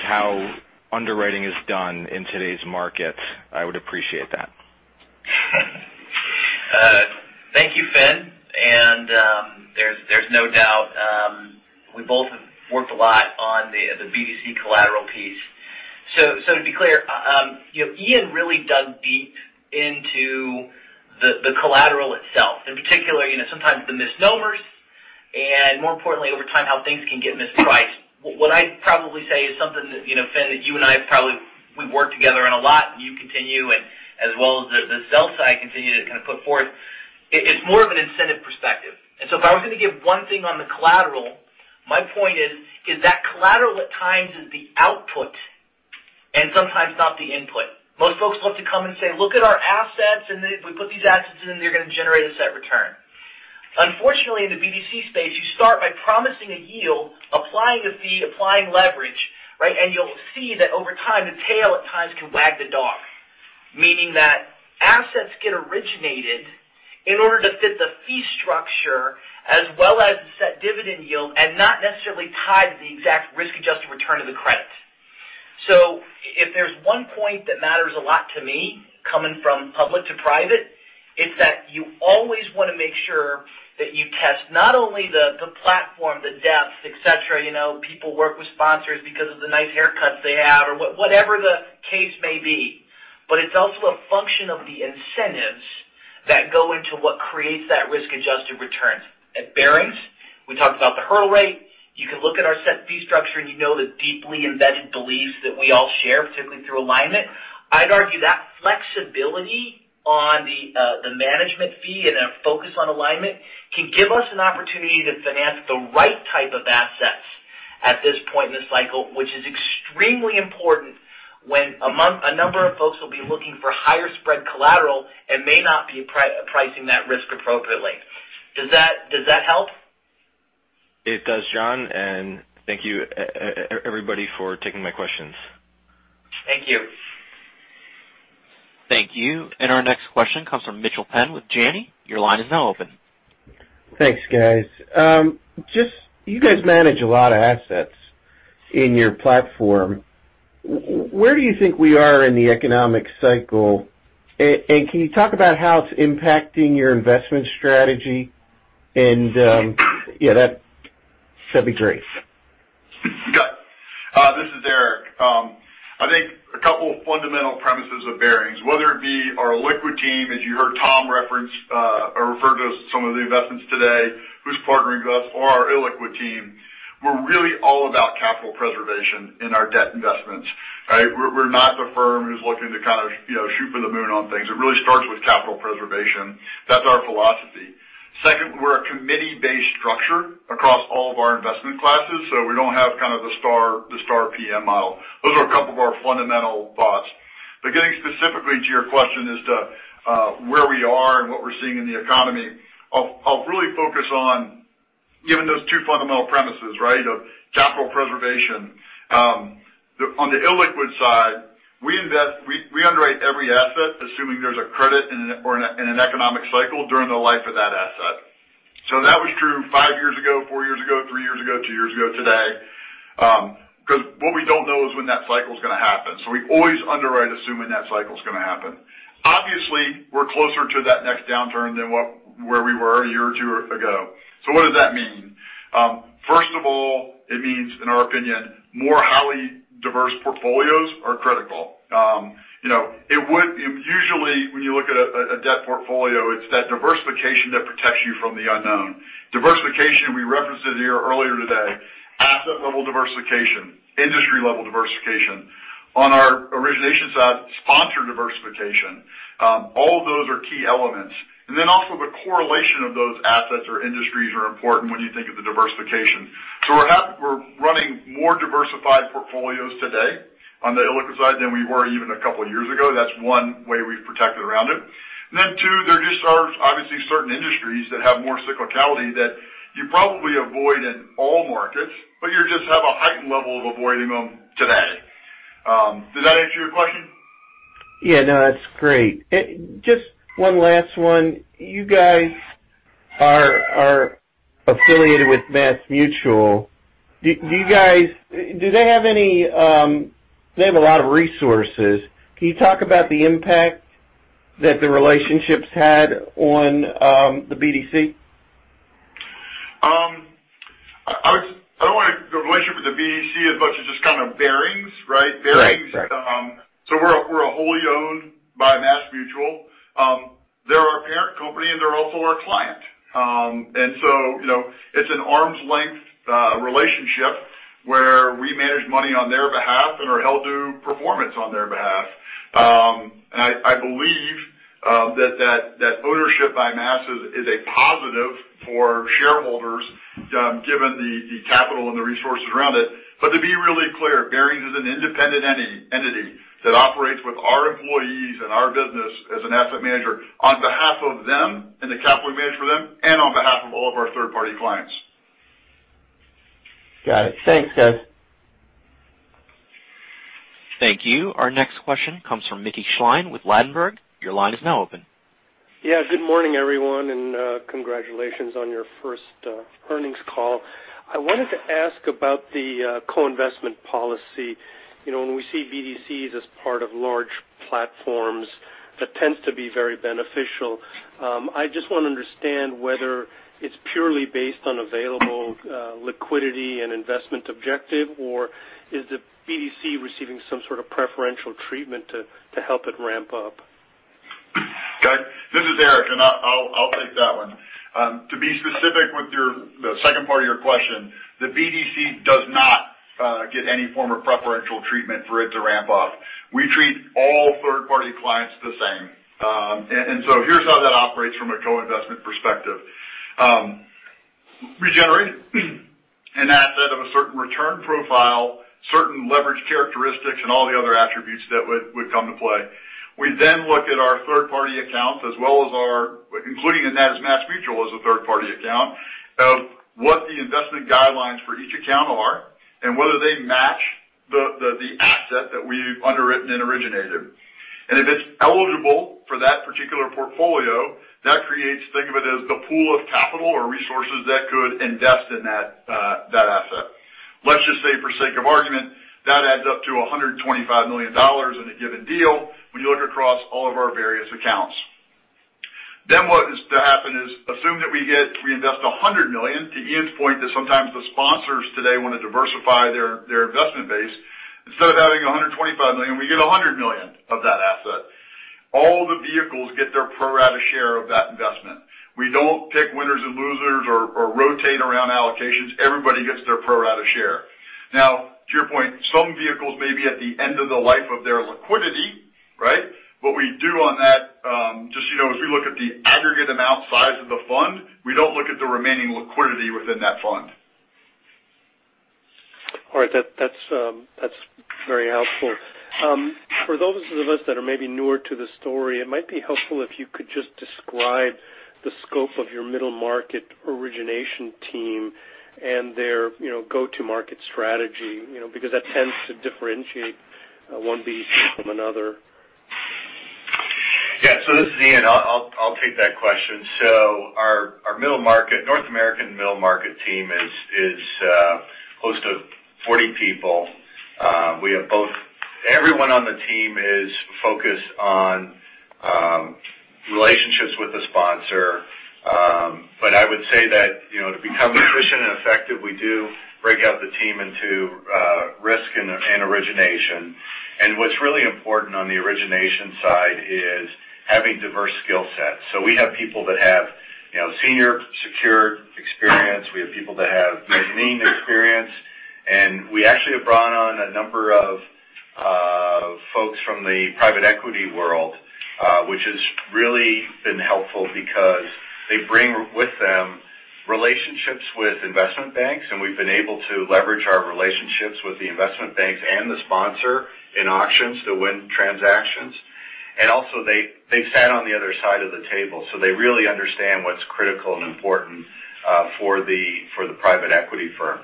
how underwriting is done in today's markets, I would appreciate that. Thank you, Fin. There's no doubt, we both have worked a lot on the BDC collateral piece. To be clear, Ian really dug deep into the collateral itself. In particular, sometimes the misnomers, and more importantly, over time, how things can get mispriced. What I'd probably say is something that, Fin, that you and I have probably worked together on a lot, and you continue, and as well as the sell side continue to kind of put forth. It's more of an incentive perspective. If I was going to give one thing on the collateral, my point is that collateral at times is the output and sometimes not the input. Most folks love to come and say, "Look at our assets, and if we put these assets in, they're going to generate a set return." Unfortunately, in the BDC space, you start by promising a yield, applying a fee, applying leverage, right? You'll see that over time, the tail at times can wag the dog. Meaning that assets get originated in order to fit the fee structure as well as the set dividend yield and not necessarily tied to the exact risk-adjusted return of the credit. If there's one point that matters a lot to me coming from public to private, it's that you always want to make sure that you test not only the platform, the depth, et cetera. People work with sponsors because of the nice haircuts they have or whatever the case may be. It's also a function of the incentives that go into what creates that risk-adjusted return. At Barings, we talked about the hurdle rate. You can look at our set fee structure, and you know the deeply embedded beliefs that we all share, particularly through alignment. I'd argue that flexibility on the management fee and a focus on alignment can give us an opportunity to finance the right type of assets at this point in the cycle, which is extremely important when a number of folks will be looking for higher spread collateral and may not be pricing that risk appropriately. Does that help? It does, Jon, and thank you, everybody, for taking my questions. Thank you. Thank you. Our next question comes from Mitchel Penn with Janney. Your line is now open. Thanks, guys. You guys manage a lot of assets in your platform. Where do you think we are in the economic cycle? Can you talk about how it's impacting your investment strategy? Yeah, that'd be great. Got it. This is Eric. I think a couple fundamental premises of Barings, whether it be our liquid team, as you heard Tom reference or refer to some of the investments today, who's partnering with us or our illiquid team. We're really all about capital preservation in our debt investments, right? We're not the firm who's looking to kind of shoot for the moon on things. It really starts with capital preservation. That's our philosophy. Second, we're a committee-based structure across all of our investment classes, so we don't have kind of the star PM model. Those are a couple of our fundamental thoughts. Getting specifically to your question as to where we are and what we're seeing in the economy, I'll really focus on, given those two fundamental premises of capital preservation. On the illiquid side, we underwrite every asset, assuming there's a credit or in an economic cycle during the life of that asset. That was true five years ago, four years ago, three years ago, two years ago, today. Because what we don't know is when that cycle is going to happen. We always underwrite assuming that cycle is going to happen. Obviously, we're closer to that next downturn than where we were a year or two ago. What does that mean? First of all, it means, in our opinion, more highly diverse portfolios are critical. Usually, when you look at a debt portfolio, it's that diversification that protects you from the unknown. Diversification, we referenced it here earlier today, asset level diversification, industry level diversification. On our origination side, sponsor diversification. All of those are key elements. Also the correlation of those assets or industries are important when you think of the diversification. We're running more diversified portfolios today on the illiquid side than we were even a couple of years ago. That's one way we've protected around it. Two, there just are obviously certain industries that have more cyclicality that you probably avoid in all markets, but you just have a heightened level of avoiding them today. Did that answer your question? Yeah, no, that's great. Just one last one. You guys are affiliated with MassMutual. They have a lot of resources. Can you talk about the impact that the relationship's had on the BDC? The relationship with the BDC as much as just kind of Barings, right? Right. Barings. We're wholly owned by MassMutual. They're our parent company, and they're also our client. It's an arm's length relationship where we manage money on their behalf and are held to performance on their behalf. I believe that ownership by Mass is a positive for shareholders, given the capital and the resources around it. To be really clear, Barings is an independent entity that operates with our employees and our business as an asset manager on behalf of them and the capital we manage for them, and on behalf of all of our third-party clients. Got it. Thanks, guys. Thank you. Our next question comes from Mickey Schleien with Ladenburg. Your line is now open. Yeah, good morning, everyone, and congratulations on your first earnings call. I wanted to ask about the co-investment policy. When we see BDCs as part of large platforms, that tends to be very beneficial. I just want to understand whether it's purely based on available liquidity and investment objective, or is the BDC receiving some sort of preferential treatment to help it ramp up? Got it. This is Eric, and I'll take that one. To be specific with the second part of your question, the BDC does not get any form of preferential treatment for it to ramp up. We treat all third-party clients the same. Here's how that operates from a co-investment perspective. We generate an asset of a certain return profile, certain leverage characteristics, and all the other attributes that would come into play. We then look at our third-party accounts as well as including in that is MassMutual as a third-party account, of what the investment guidelines for each account are and whether they match the asset that we've underwritten and originated. If it's eligible for that particular portfolio, that creates, think of it as the pool of capital or resources that could invest in that asset. Let's just say for sake of argument, that adds up to $125 million in a given deal when you look across all of our various accounts. What is to happen is assume that we invest $100 million, to Ian's point that sometimes the sponsors today want to diversify their investment base. Instead of having $125 million, we get $100 million of that asset. All the vehicles get their pro rata share of that investment. We don't pick winners and losers or rotate around allocations. Everybody gets their pro rata share. Now, to your point, some vehicles may be at the end of the life of their liquidity, right? What we do on that, just so you know, is we look at the aggregate amount size of the fund. We don't look at the remaining liquidity within that fund. All right. That's very helpful. For those of us that are maybe newer to the story, it might be helpful if you could just describe the scope of your middle market origination team and their go-to-market strategy because that tends to differentiate one BDC from another. Yeah. This is Ian. I'll take that question. Our North American middle market team is close to 40 people. Everyone on the team is focused on relationships with the sponsor. I would say that to become efficient and effective, we do break out the team into risk and origination. What's really important on the origination side is having diverse skill sets. We have people that have senior secured experience. We have people that have mezzanine experience. We actually have brought on a number of folks from the private equity world which has really been helpful because they bring with them relationships with investment banks They are able to leverage our relationships with the investment banks and the sponsor in auctions to win transactions. They've sat on the other side of the table, so they really understand what's critical and important for the private equity firm.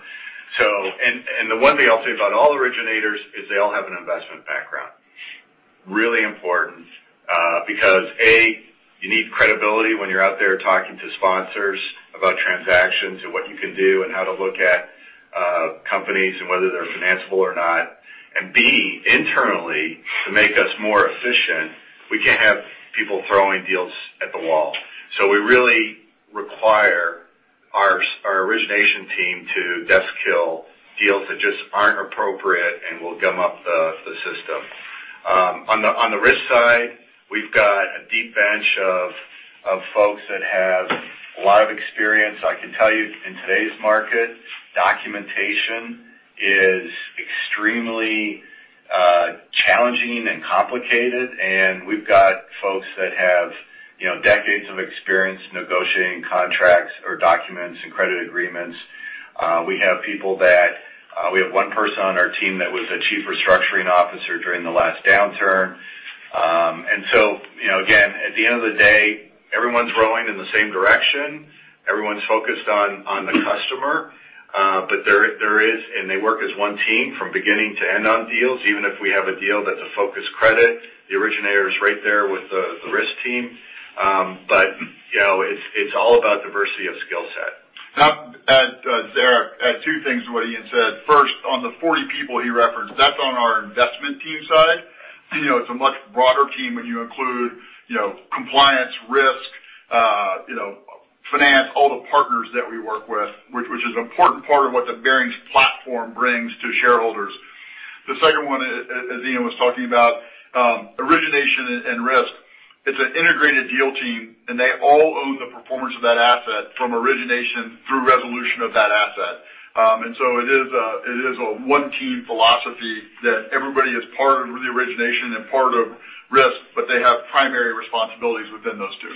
The one thing I'll say about all originators is they all have an investment background, which is really important because, A, you need credibility when you're out there talking to sponsors about transactions and what you can do and how to look at companies and whether they're financeable or not. B, internally, to make us more efficient, we can't have people throwing deals at the wall. We really require our origination team to desk kill deals that just aren't appropriate and will gum up the system. On the risk side, we've got a deep bench of folks that have a lot of experience. I can tell you, in today's market, documentation is extremely challenging and complicated. We've got folks that have decades of experience negotiating contracts or documents and credit agreements. We have one person on our team that was a chief restructuring officer during the last downturn. Again, at the end of the day, everyone's rowing in the same direction. Everyone's focused on the customer. They work as one team from beginning to end on deals, even if we have a deal that's a focused credit. The originator is right there with the risk team. It's all about diversity of skill set. Eric, add two things to what Ian said. First, on the 40 people he referenced, that's on our investment team side. It's a much broader team when you include compliance, risk, finance, all the partners that we work with, which is an important part of what the Barings platform brings to shareholders. Second one, as Ian was talking about, origination and risk. It's an integrated deal team, and they all own the performance of that asset from origination through resolution of that asset. It is a one team philosophy that everybody is part of the origination and part of risk, but they have primary responsibilities within those two.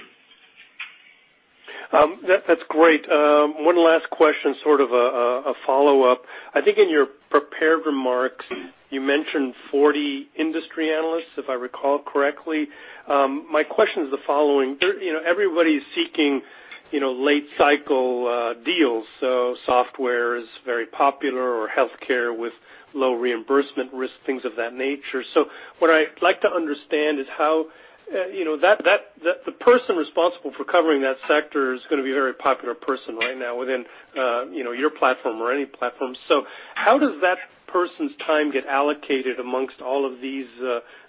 That's great. One last question, sort of a follow-up. I think in your prepared remarks, you mentioned 40 industry analysts, if I recall correctly. My question is the following. Everybody's seeking late cycle deals. Software is very popular or healthcare with low reimbursement risk, things of that nature. What I'd like to understand is how the person responsible for covering that sector is going to be a very popular person right now within your platform or any platform. How does that person's time get allocated amongst all of these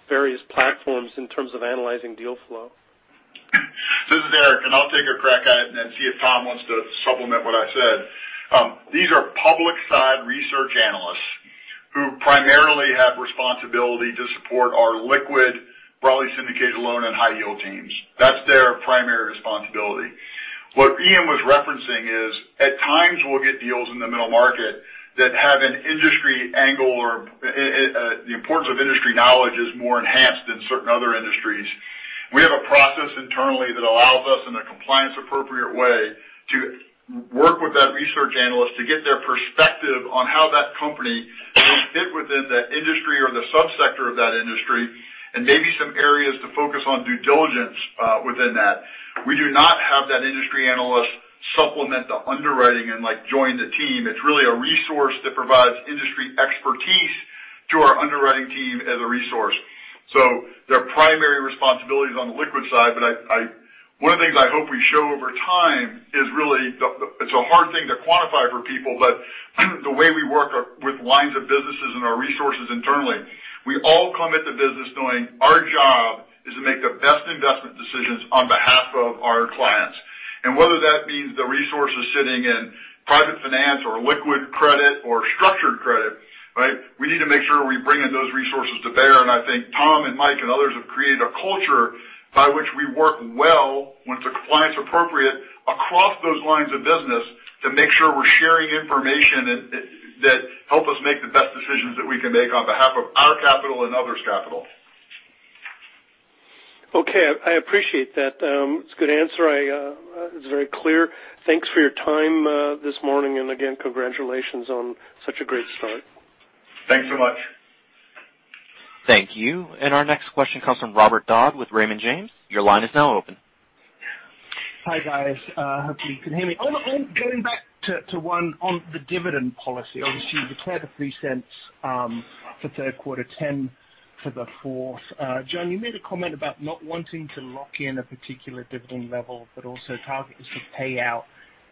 various platforms in terms of analyzing deal flow? This is Eric. I'll take a crack at it, see if Tom wants to supplement what I said. These are public side research analysts who primarily have responsibility to support our liquid broadly syndicated loan and high yield teams. That's their primary responsibility. What Ian was referencing is, at times, we'll get deals in the middle market that have an industry angle or the importance of industry knowledge is more enhanced than certain other industries. We have a process internally that allows us, in a compliance appropriate way, to work with that research analyst to get their perspective on how that company will fit within that industry or the sub-sector of that industry, and maybe some areas to focus on due diligence within that. We do not have that industry analyst supplement the underwriting and join the team. It's really a resource that provides industry expertise to our underwriting team as a resource. Their primary responsibility is on the liquid side. One of the things I hope we show over time is really, it's a hard thing to quantify for people, but the way we work with lines of businesses and our resources internally. We all come at the business knowing our job is to make the best investment decisions on behalf of our clients. Whether that means the resources sitting in private finance or liquid credit or structured credit, we need to make sure we bring in those resources to bear. I think Tom and Mike and others have created a culture by which we work well when it's compliance appropriate across those lines of business to make sure we're sharing information that help us make the best decisions that we can make on behalf of our capital and others' capital. Okay. I appreciate that. It's a good answer. It's very clear. Thanks for your time this morning. Again, congratulations on such a great start. Thanks so much. Thank you. Our next question comes from Robert Dodd with Raymond James. Your line is now open. Hi, guys. Hope you can hear me. Going back to one on the dividend policy. Obviously, you declared the $0.03 for third quarter, $0.10 for the fourth. Jon, you made a comment about not wanting to lock in a particular dividend level, also target is to pay out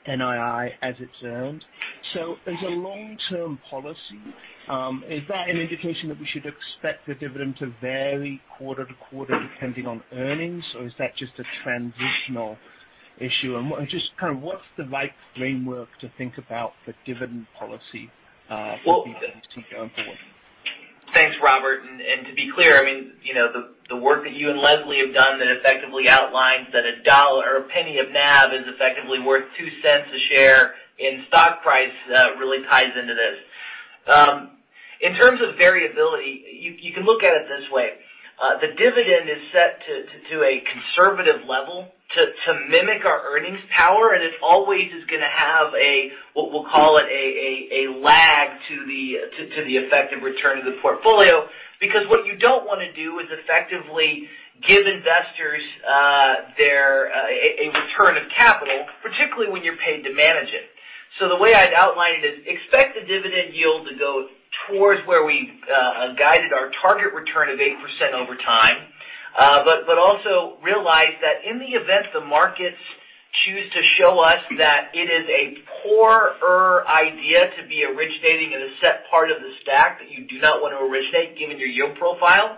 NII as it's earned. As a long-term policy, is that an indication that we should expect the dividend to vary quarter to quarter depending on earnings? Is that just a transitional issue? Just kind of what's the right framework to think about the dividend policy going forward? Thanks, Robert. To be clear, the work that you and Leslie have done that effectively outlines that $0.01 of NAV is effectively worth $0.02 a share in stock price really ties into this. In terms of variability, you can look at it this way. The dividend is set to a conservative level to mimic our earnings power, it always is going to have what we'll call a lag to the effective return of the portfolio. What you don't want to do is effectively give investors a return of capital, particularly when you're paid to manage it. The way I'd outline it is, expect the dividend yield to go towards where we guided our target return of 8% over time. Also realize that in the event the markets choose to show us that it is a poorer idea to be originating in a set part of the stack that you do not want to originate given your yield profile.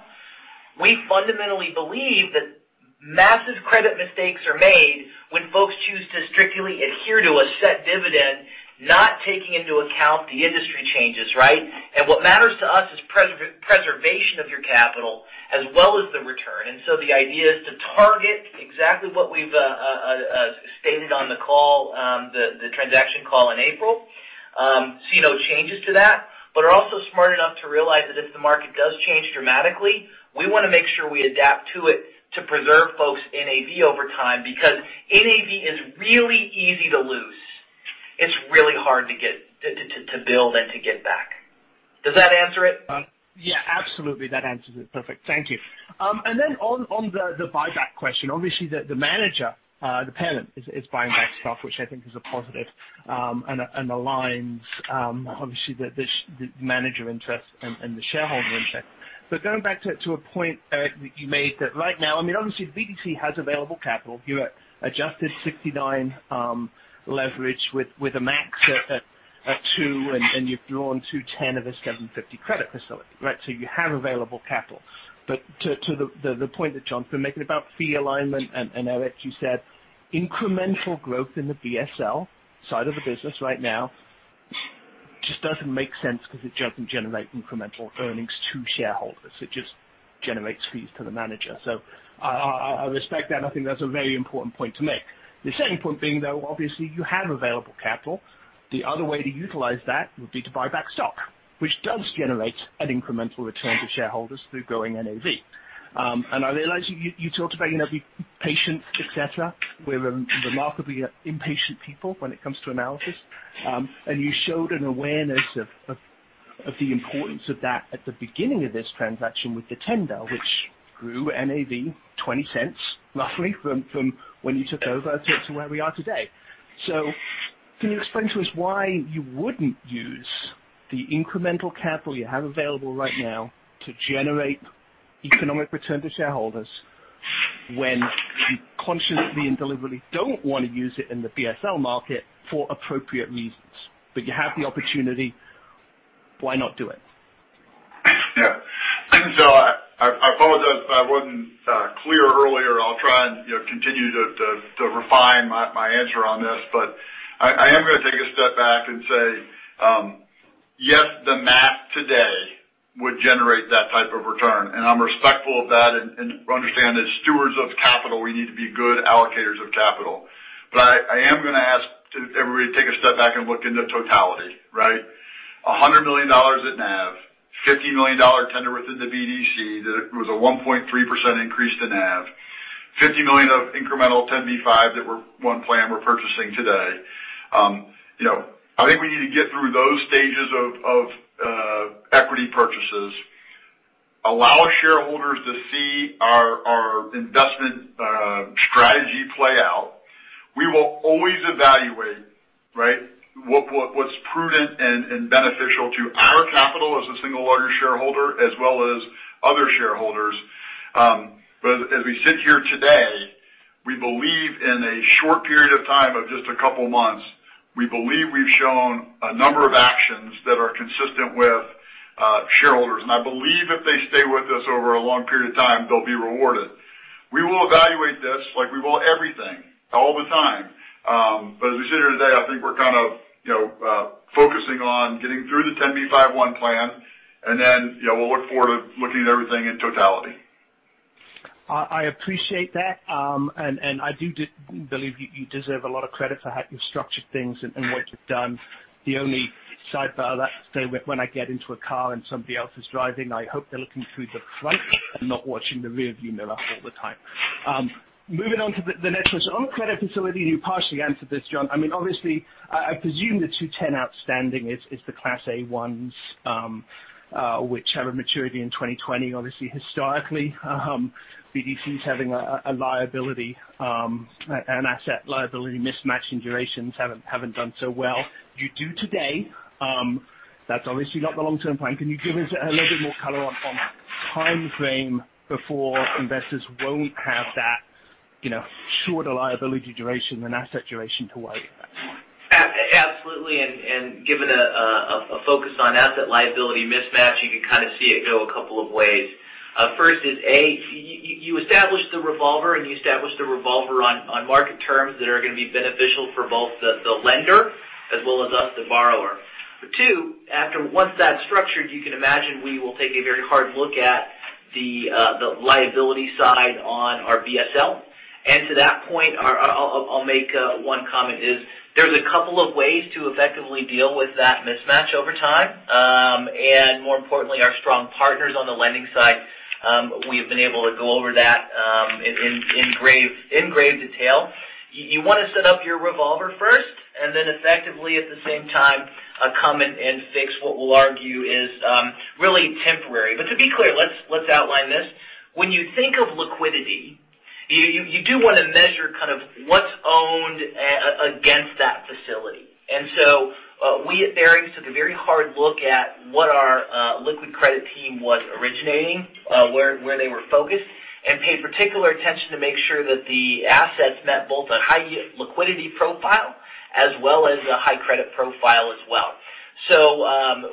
We fundamentally believe that massive credit mistakes are made when folks choose to strictly adhere to a set dividend, not taking into account the industry changes, right? What matters to us is preservation of your capital as well as the return. The idea is to target exactly what we've stated on the call, the transaction call in April. See no changes to that. Are also smart enough to realize that if the market does change dramatically, we want to make sure we adapt to it to preserve folks' NAV over time, because NAV is really easy to lose. It's really hard to build and to get back. Does that answer it? Yeah. Absolutely, that answers it. Perfect. Thank you. Then on the buyback question, obviously the manager, the parent is buying back stock, which I think is a positive and aligns, obviously the manager interest and the shareholder interest. Going back to a point, Eric, that you made that right now, obviously BDC has available capital. You adjusted 69 leverage with a max at two, and you've drawn $210 of a $750 credit facility, right? You have available capital. To the point that Jon's been making about fee alignment, and Eric, you said incremental growth in the BSL side of the business right now just doesn't make sense because it doesn't generate incremental earnings to shareholders. It just generates fees to the manager. I respect that, and I think that's a very important point to make. The second point being, though, obviously you have available capital. The other way to utilize that would be to buy back stock, which does generate an incremental return to shareholders through growing NAV. I realize you talked about being patient, et cetera. We're a remarkably impatient people when it comes to analysis. You showed an awareness of the importance of that at the beginning of this transaction with the tender, which grew NAV $0.20 roughly from when you took over to where we are today. Can you explain to us why you wouldn't use the incremental capital you have available right now to generate economic return to shareholders when you consciously and deliberately don't want to use it in the BSL market for appropriate reasons? You have the opportunity. Why not do it? I apologize if I wasn't clear earlier. I'll try and continue to refine my answer on this. I am going to take a step back and say yes, the math today would generate that type of return, and I'm respectful of that and understand as stewards of capital, we need to be good allocators of capital. I am going to ask everybody to take a step back and look into totality, right? $100 million at NAV, $50 million tender within the BDC. That was a 1.3% increase to NAV. $50 million of incremental 10b5-1 plan we're purchasing today. I think we need to get through those stages of equity purchases, allow shareholders to see our investment strategy play out. We will always evaluate what's prudent and beneficial to our capital as a single larger shareholder as well as other shareholders. As we sit here today, we believe in a short period of time of just a couple of months, we believe we've shown a number of actions that are consistent with shareholders. I believe if they stay with us over a long period of time, they'll be rewarded. We will evaluate this like we will everything all the time. As we sit here today, I think we're kind of focusing on getting through the 10b5-1 plan, then we'll look forward to looking at everything in totality. I appreciate that. I do believe you deserve a lot of credit for how you've structured things and what you've done. The only sidebar that when I get into a car and somebody else is driving, I hope they're looking through the front and not watching the rearview mirror all the time. Moving on to the next question. On credit facility, you partially answered this, Jon. Obviously, I presume the 210 outstanding is the class A1s, which have a maturity in 2020. Obviously historically, BDCs having a liability, an asset liability mismatch in durations haven't done so well. You do today. That's obviously not the long-term plan. Can you give us a little bit more color on timeframe before investors won't have that shorter liability duration than asset duration to weigh with that? Absolutely. Given a focus on asset liability mismatch, you can kind of see it go a couple of ways. First is A, you established the revolver, and you established the revolver on market terms that are going to be beneficial for both the lender as well as us, the borrower. Two, after once that's structured, you can imagine we will take a very hard look at the liability side on our BSL. To that point, I'll make one comment is there's a couple of ways to effectively deal with that mismatch over time. More importantly, our strong partners on the lending side, we have been able to go over that in grave detail. You want to set up your revolver first and then effectively at the same time, come in and fix what we'll argue is really temporary. To be clear, let's outline this. When you think of liquidity, you do want to measure kind of what's owned against that facility. We at Barings took a very hard look at what our illiquid credit team was originating where they were focused, and paid particular attention to make sure that the assets met both a high yield liquidity profile as well as a high credit profile as well.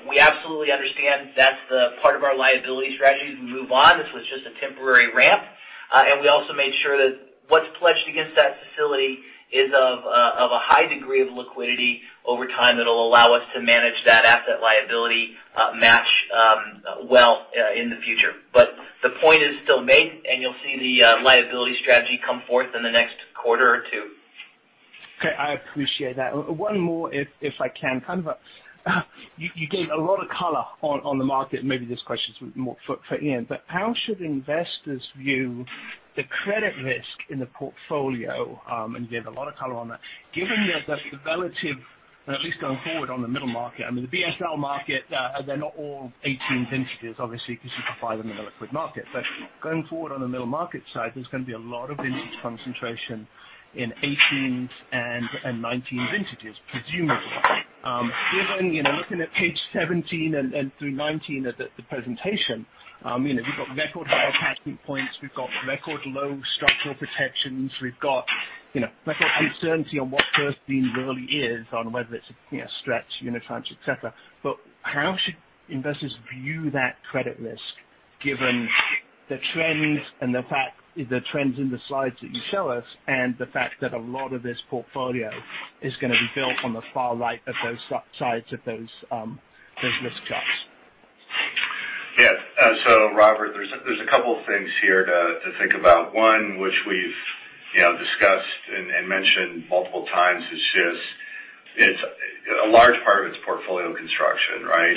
We absolutely understand that's the part of our liability strategy as we move on. This was just a temporary ramp. We also made sure that what's pledged against that facility is of a high degree of liquidity over time that'll allow us to manage that asset liability match well in the future. The point is still made, and you'll see the liability strategy come forth in the next quarter or two. Okay. I appreciate that. One more, if I can. You gave a lot of color on the market. Maybe this question is more for Ian. How should investors view the credit risk in the portfolio, and you gave a lot of color on that, given that the relative, at least going forward on the middle market, I mean the BSL market, they're not all '18 vintages, obviously, because you can buy them in the liquid market. Going forward on the middle market side, there's going to be a lot of vintage concentration in '18s and '19 vintages, presumably. Given, looking at page 17 and through 19 of the presentation. We've got record high attachment points. We've got record low structural protections. We've got record uncertainty on what first lien really is on whether it's a stretch unitranche, et cetera. How should investors view that credit risk given the trends in the slides that you show us, and the fact that a lot of this portfolio is going to be built on the far right of those sides of those risk charts? Yes. Robert, there's a couple things here to think about. One, which we've discussed and mentioned multiple times is just a large part of it's portfolio construction, right?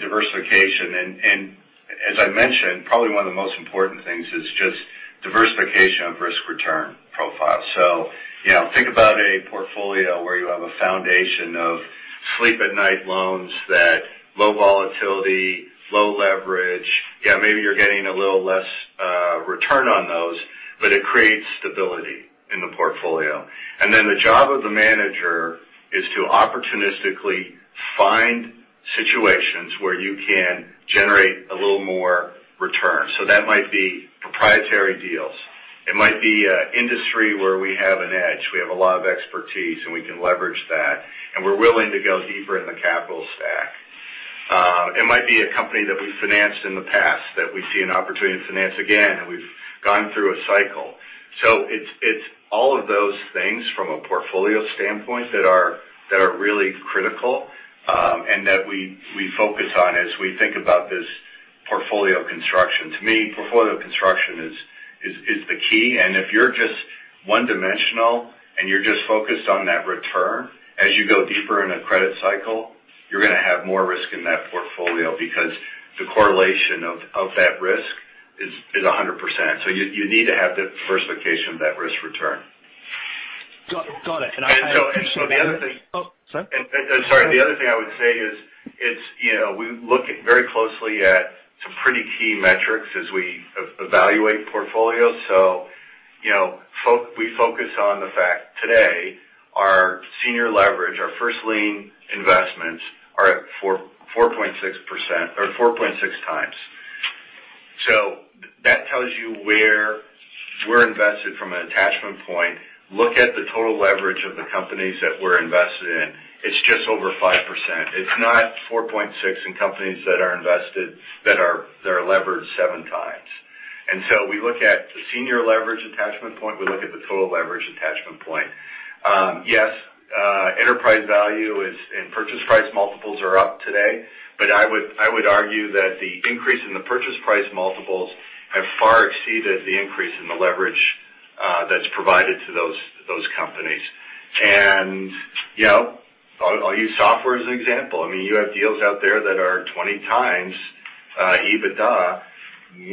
Diversification. As I mentioned, probably one of the most important things is just diversification of risk-return profile. Think about a portfolio where you have a foundation of sleep-at-night loans that low volatility, low leverage. Yeah, maybe you're getting a little less return on those, but it creates stability in the portfolio. The job of the manager is to opportunistically find situations where you can generate a little more return. That might be proprietary deals. It might be an industry where we have an edge. We have a lot of expertise, and we can leverage that, and we're willing to go deeper in the capital stack. It might be a company that we financed in the past that we see an opportunity to finance again, and we've gone through a cycle. It's all of those things from a portfolio standpoint that are really critical, and that we focus on as we think about this portfolio construction. To me, portfolio construction is the key. If you're just one-dimensional and you're just focused on that return, as you go deeper in a credit cycle, you're going to have more risk in that portfolio because the correlation of that risk is 100%. You need to have diversification of that risk return. Got it. I appreciate that. The other thing- Oh, sorry. Sorry. The other thing I would say is we look very closely at some pretty key metrics as we evaluate portfolios. We focus on the fact today our senior leverage, our first lien investments are at 4.6% or 4.6x. That tells you where we're invested from an attachment point. Look at the total leverage of the companies that we're invested in. It's just over 5%. It's not 4.6 in companies that are invested that are leveraged 7x. We look at the senior leverage attachment point. We look at the total leverage attachment point. Yes. Enterprise value is, and purchase price multiples are up today. I would argue that the increase in the purchase price multiples have far exceeded the increase in the leverage that's provided to those companies. I'll use software as an example. You have deals out there that are 20x EBITDA.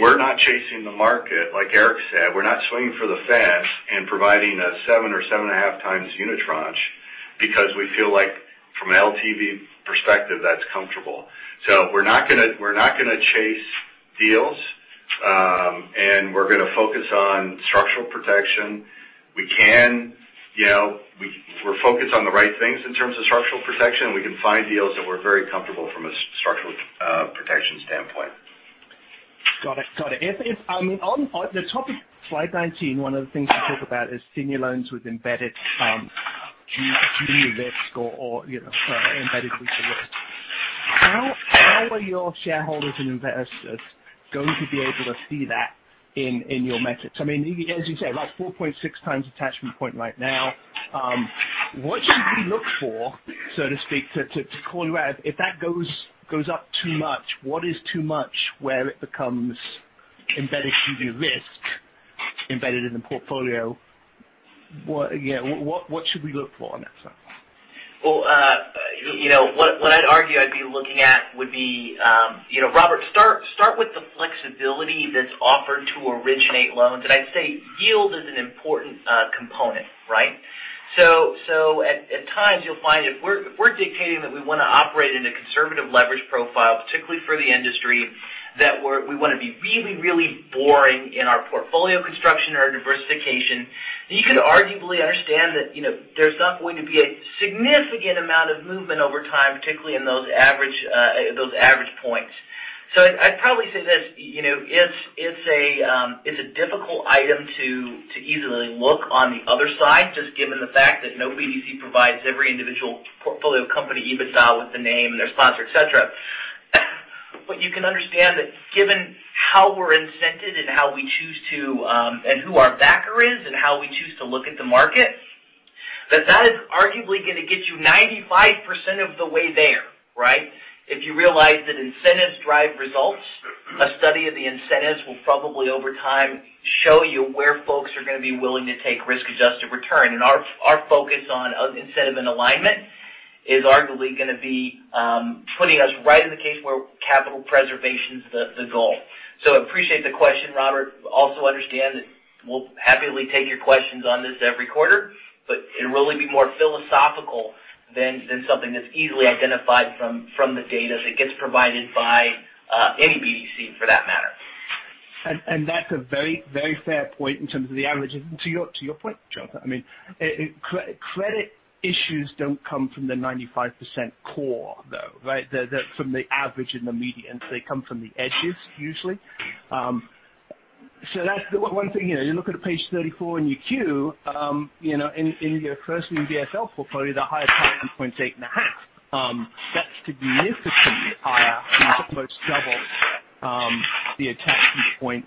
We're not chasing the market. Like Eric said, we're not swinging for the fence and providing a 7x or 7.5x unitranche because we feel like from an LTV perspective, that's comfortable. We're not going to chase deals. We're going to focus on structural protection. If we're focused on the right things in terms of structural protection, we can find deals that we're very comfortable from a structural protection standpoint. Got it. On the top of slide 19, one of the things you talk about is senior loans with embedded risk or embedded risk. How are your shareholders and investors going to be able to see that in your metrics? As you say, like 4.6x attachment point right now. What should we look for, so to speak, to call you out if that goes up too much. What is too much where it becomes embedded credit risk embedded in the portfolio? Yeah. What should we look for on that front? Well, what I'd argue I'd be looking at would be Robert, start with the flexibility that's offered to originate loans. I'd say yield is an important component, right? At times you'll find if we're dictating that we want to operate in a conservative leverage profile, particularly for the industry, that we want to be really boring in our portfolio construction or diversification. You could arguably understand that there's not going to be a significant amount of movement over time, particularly in those average points. I'd probably say this, it's a difficult item to easily look on the other side, just given the fact that no BDC provides every individual portfolio company, EBITDA with the name and their sponsor, et cetera. You can understand that given how we're incented and how we choose to and who our backer is and how we choose to look at the market, that that is arguably going to get you 95% of the way there, right? If you realize that incentives drive results, a study of the incentives will probably over time show you where folks are going to be willing to take risk-adjusted return. Our focus on incentive and alignment is arguably going to be putting us right in the case where capital preservation's the goal. Appreciate the question, Robert. Also understand that we'll happily take your questions on this every quarter, but it'll really be more philosophical than something that's easily identified from the data that gets provided by any BDC for that matter. That's a very fair point in terms of the averages. To your point, Jon, credit issues don't come from the 95% core, though, right? They're from the average and the medians. They come from the edges usually. That's one thing. You look at page 34 in your 10-Q, in your first new BSL portfolio, the high attachment point's 8.5. That's significantly higher, almost double, the attachment point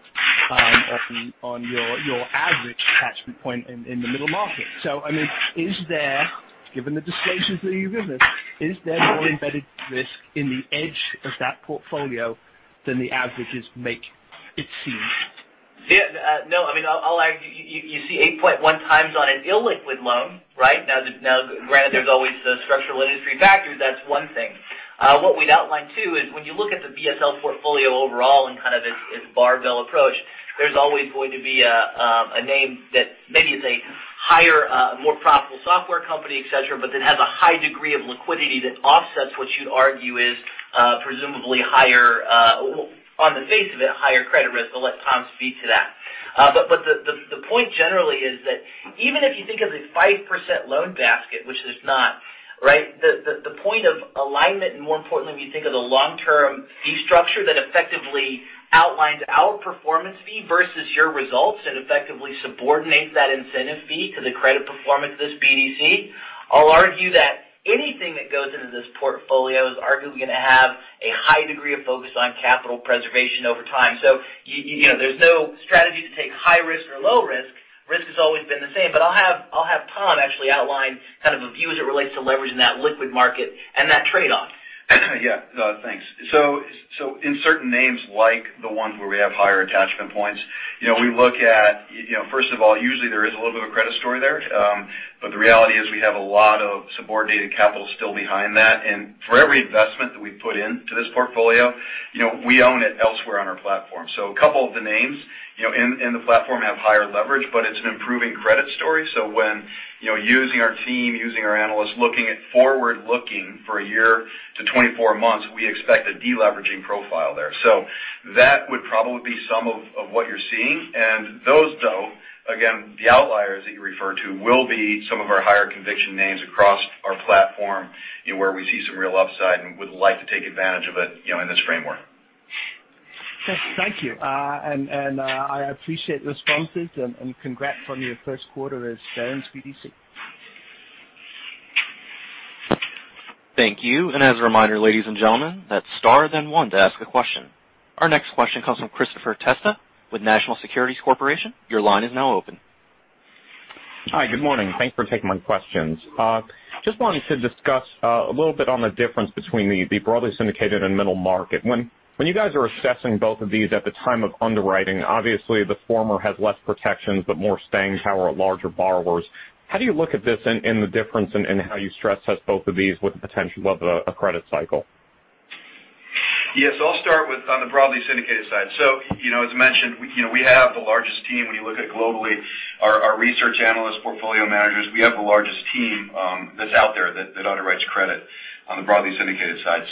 on your average attachment point in the middle market. Is there, given the disclosures that you've given us, is there more embedded risk in the edge of that portfolio than the averages make it seem? I'll argue. You see 8.1x on an illiquid loan, right? Now, granted, there's always those structural industry factors. That's one thing. What we'd outline, too, is when you look at the BSL portfolio overall and kind of its barbell approach, there's always going to be a name that maybe is a higher, more profitable software company, et cetera, but then has a high degree of liquidity that offsets what you'd argue is presumably higher, on the face of it, higher credit risk. I'll let Tom speak to that. The point generally is that even if you think of the 5% loan basket, which is not, right? The point of alignment and more importantly, when you think of the long-term fee structure that effectively outlines our performance fee versus your results and effectively subordinates that incentive fee to the credit performance of this BDC. I'll argue that anything that goes into this portfolio is arguably going to have a high degree of focus on capital preservation over time. There's no strategy to take high risk or low risk. Risk has always been the same. I'll have Tom actually outline kind of a view as it relates to leverage in that liquid market and that trade-off. Thanks. In certain names like the ones where we have higher attachment points, we look at first of all, usually there is a little bit of a credit story there. The reality is we have a lot of subordinated capital still behind that. For every investment that we put into this portfolio, we own it elsewhere on our platform. A couple of the names in the platform have higher leverage, it's an improving credit story. When using our team, using our analysts, looking at forward-looking for a year to 24 months, we expect a de-leveraging profile there. That would probably be some of what you're seeing. Those, though, again, the outliers that you refer to will be some of our higher conviction names across our platform, where we see some real upside and would like to take advantage of it in this framework. Thank you. I appreciate the responses and congrats on your first quarter as Barings BDC. Thank you. As a reminder, ladies and gentlemen, that's star then one to ask a question. Our next question comes from Christopher Testa with National Securities Corporation. Your line is now open. Hi, good morning. Thanks for taking my questions. Just wanted to discuss a little bit on the difference between the broadly syndicated and middle market. When you guys are assessing both of these at the time of underwriting, obviously the former has less protections but more staying power at larger borrowers. How do you look at this and the difference in how you stress test both of these with the potential of a credit cycle? Yes, I'll start with on the broadly syndicated side. As mentioned, we have the largest team when you look at globally, our research analysts, portfolio managers. We have the largest team that's out there that underwrites credit on the broadly syndicated side.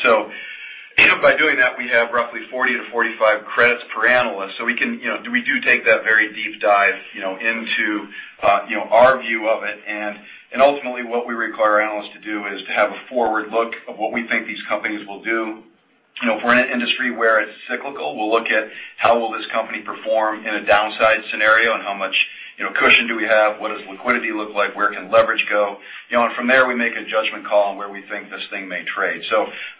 By doing that, we have roughly 40-45 credits per analyst. We do take that very deep dive into our view of it. Ultimately what we require our analysts to do is to have a forward look of what we think these companies will do. If we're in an industry where it's cyclical, we'll look at how will this company perform in a downside scenario and how much cushion do we have? What does liquidity look like? Where can leverage go? From there, we make a judgment call on where we think this thing may trade.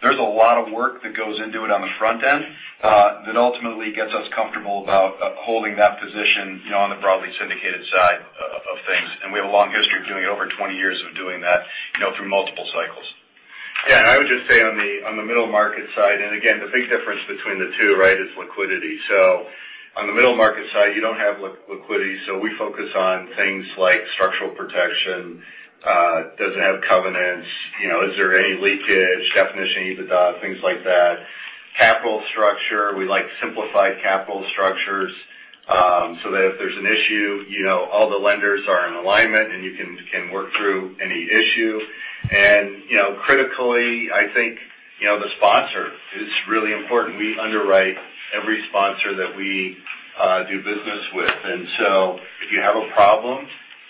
There's a lot of work that goes into it on the front end that ultimately gets us comfortable about holding that position on the broadly syndicated side of things. We have a long history of doing it, over 20 years of doing that through multiple cycles. I would just say on the middle market side, again, the big difference between the two is liquidity. On the middle market side, you don't have liquidity, we focus on things like structural protection, does it have covenants, is there any leakage, definition, EBITDA, things like that. Capital structure. We like simplified capital structures, that if there's an issue, all the lenders are in alignment and you can work through any issue. Critically, I think, the sponsor is really important. We underwrite every sponsor that we do business with. If you have a problem,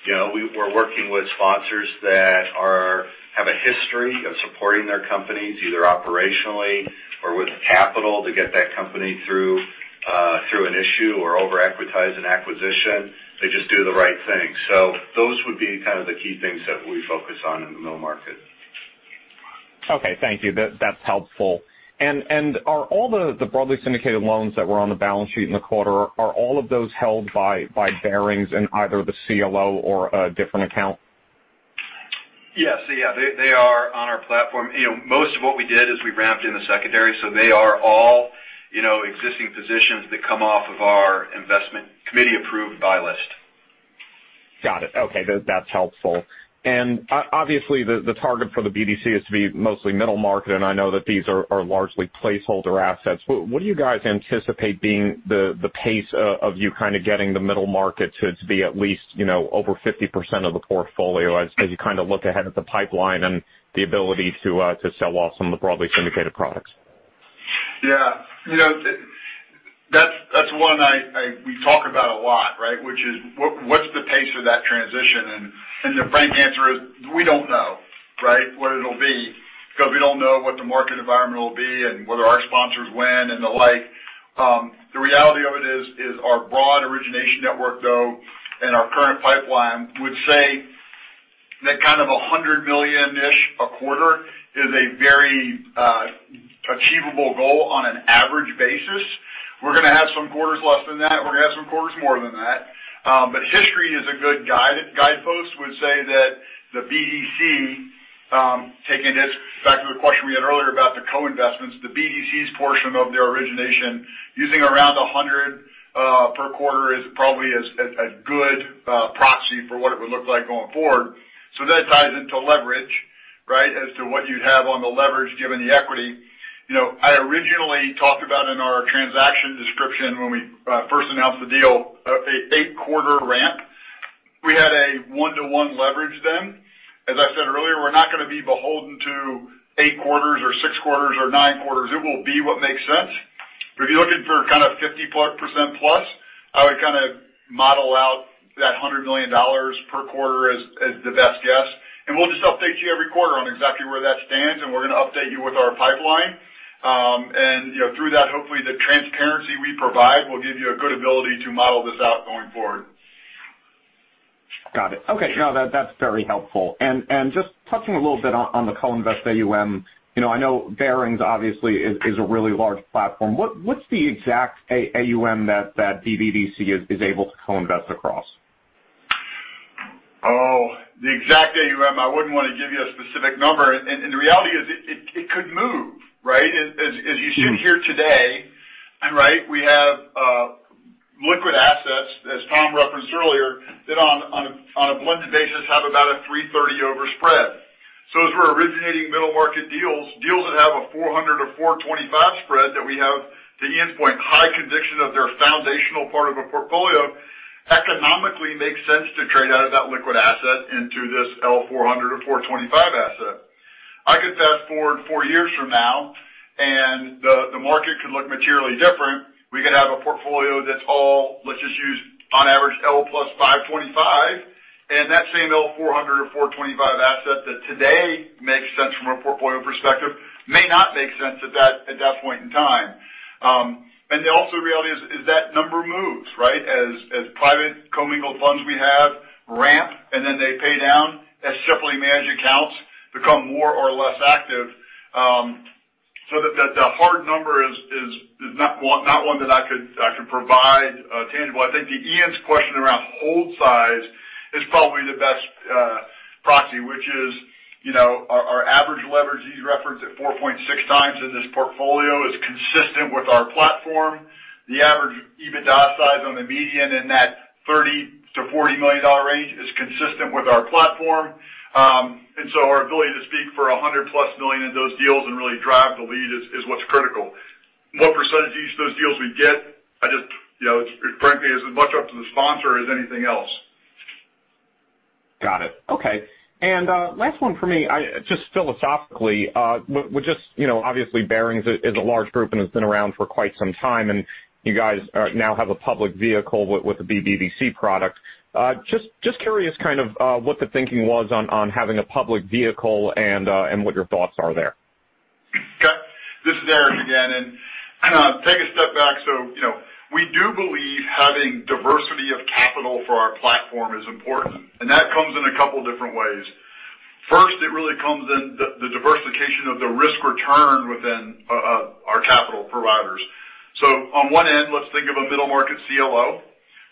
we're working with sponsors that have a history of supporting their companies, either operationally or with capital to get that company through an issue or over-equitize an acquisition. They just do the right thing. Those would be kind of the key things that we focus on in the middle market. Okay, thank you. That's helpful. Are all the broadly syndicated loans that were on the balance sheet in the quarter, are all of those held by Barings in either the CLO or a different account? Yes. They are on our platform. Most of what we did is we ramped in the secondary. They are all existing positions that come off of our investment committee-approved buy list. Got it. Okay. That's helpful. Obviously, the target for the BDC is to be mostly middle market, and I know that these are largely placeholder assets, but what do you guys anticipate being the pace of you kind of getting the middle market to be at least over 50% of the portfolio as you kind of look ahead at the pipeline and the ability to sell off some of the broadly syndicated products? Yeah. That's one we talk about a lot. Which is what's the pace of that transition? The frank answer is, we don't know what it'll be, because we don't know what the market environment will be and whether our sponsors when and the like. The reality of it is our broad origination network, though, and our current pipeline would say that kind of $100 million-ish a quarter is a very achievable goal on an average basis. We're going to have some quarters less than that, we're going to have some quarters more than that. History is a good guide post, would say that the BDC, taking this back to the question we had earlier about the co-investments, the BDC's portion of their origination using around $100 per quarter is probably a good proxy for what it would look like going forward. That ties into leverage as to what you'd have on the leverage given the equity. I originally talked about in our transaction description when we first announced the deal, an eight-quarter ramp. We had a one-to-one leverage then. As I said earlier, we're not going to be beholden to eight quarters or six quarters or nine quarters. It will be what makes sense. If you're looking for kind of 50%+, I would kind of model out that $100 million per quarter as the best guess. We'll just update you every quarter on exactly where that stands, and we're going to update you with our pipeline. Through that, hopefully, the transparency we provide will give you a good ability to model this out going forward. Got it. Okay. No, that's very helpful. Just touching a little bit on the co-invest AUM, I know Barings obviously is a really large platform. What's the exact AUM that BBDC is able to co-invest across? The exact AUM, I wouldn't want to give you a specific number. The reality is it could move. As you sit here today, we have liquid assets, as Tom referenced earlier, that on a blended basis have about a 330 over spread. As we're originating middle market deals that have a 400 or 425 spread that we have, to Ian's point, high conviction that they're a foundational part of a portfolio, economically makes sense to trade out of that liquid asset into this L400 or 425 asset. I could fast-forward four years from now. The market could look materially different. We could have a portfolio that's all, let's just use on average L plus 525, and that same L400 or 425 asset that today makes sense from a portfolio perspective may not make sense at that point in time. Also the reality is that number moves. As private commingled funds we have ramp and then they pay down, as separately managed accounts become more or less active. The hard number is not one that I could provide tangible. I think to Ian's question around hold size is probably the best proxy, which is our average leverage, he referenced at 4.6x in this portfolio, is consistent with our platform. The average EBITDA size on the median in that $30 million-$40 million range is consistent with our platform. Our ability to speak for $100-plus million in those deals and really drive the lead is what's critical. What percentage of those deals we get, frankly, is as much up to the sponsor as anything else. Got it. Okay. Last one for me, just philosophically, obviously Barings is a large group and has been around for quite some time, and you guys now have a public vehicle with the BBDC product. Just curious kind of what the thinking was on having a public vehicle and what your thoughts are there. This is Eric again. Take a step back. We do believe having diversity of capital for our platform is important. That comes in a couple different ways. First, it really comes in the diversification of the risk return within our capital providers. On one end, let's think of a middle market CLO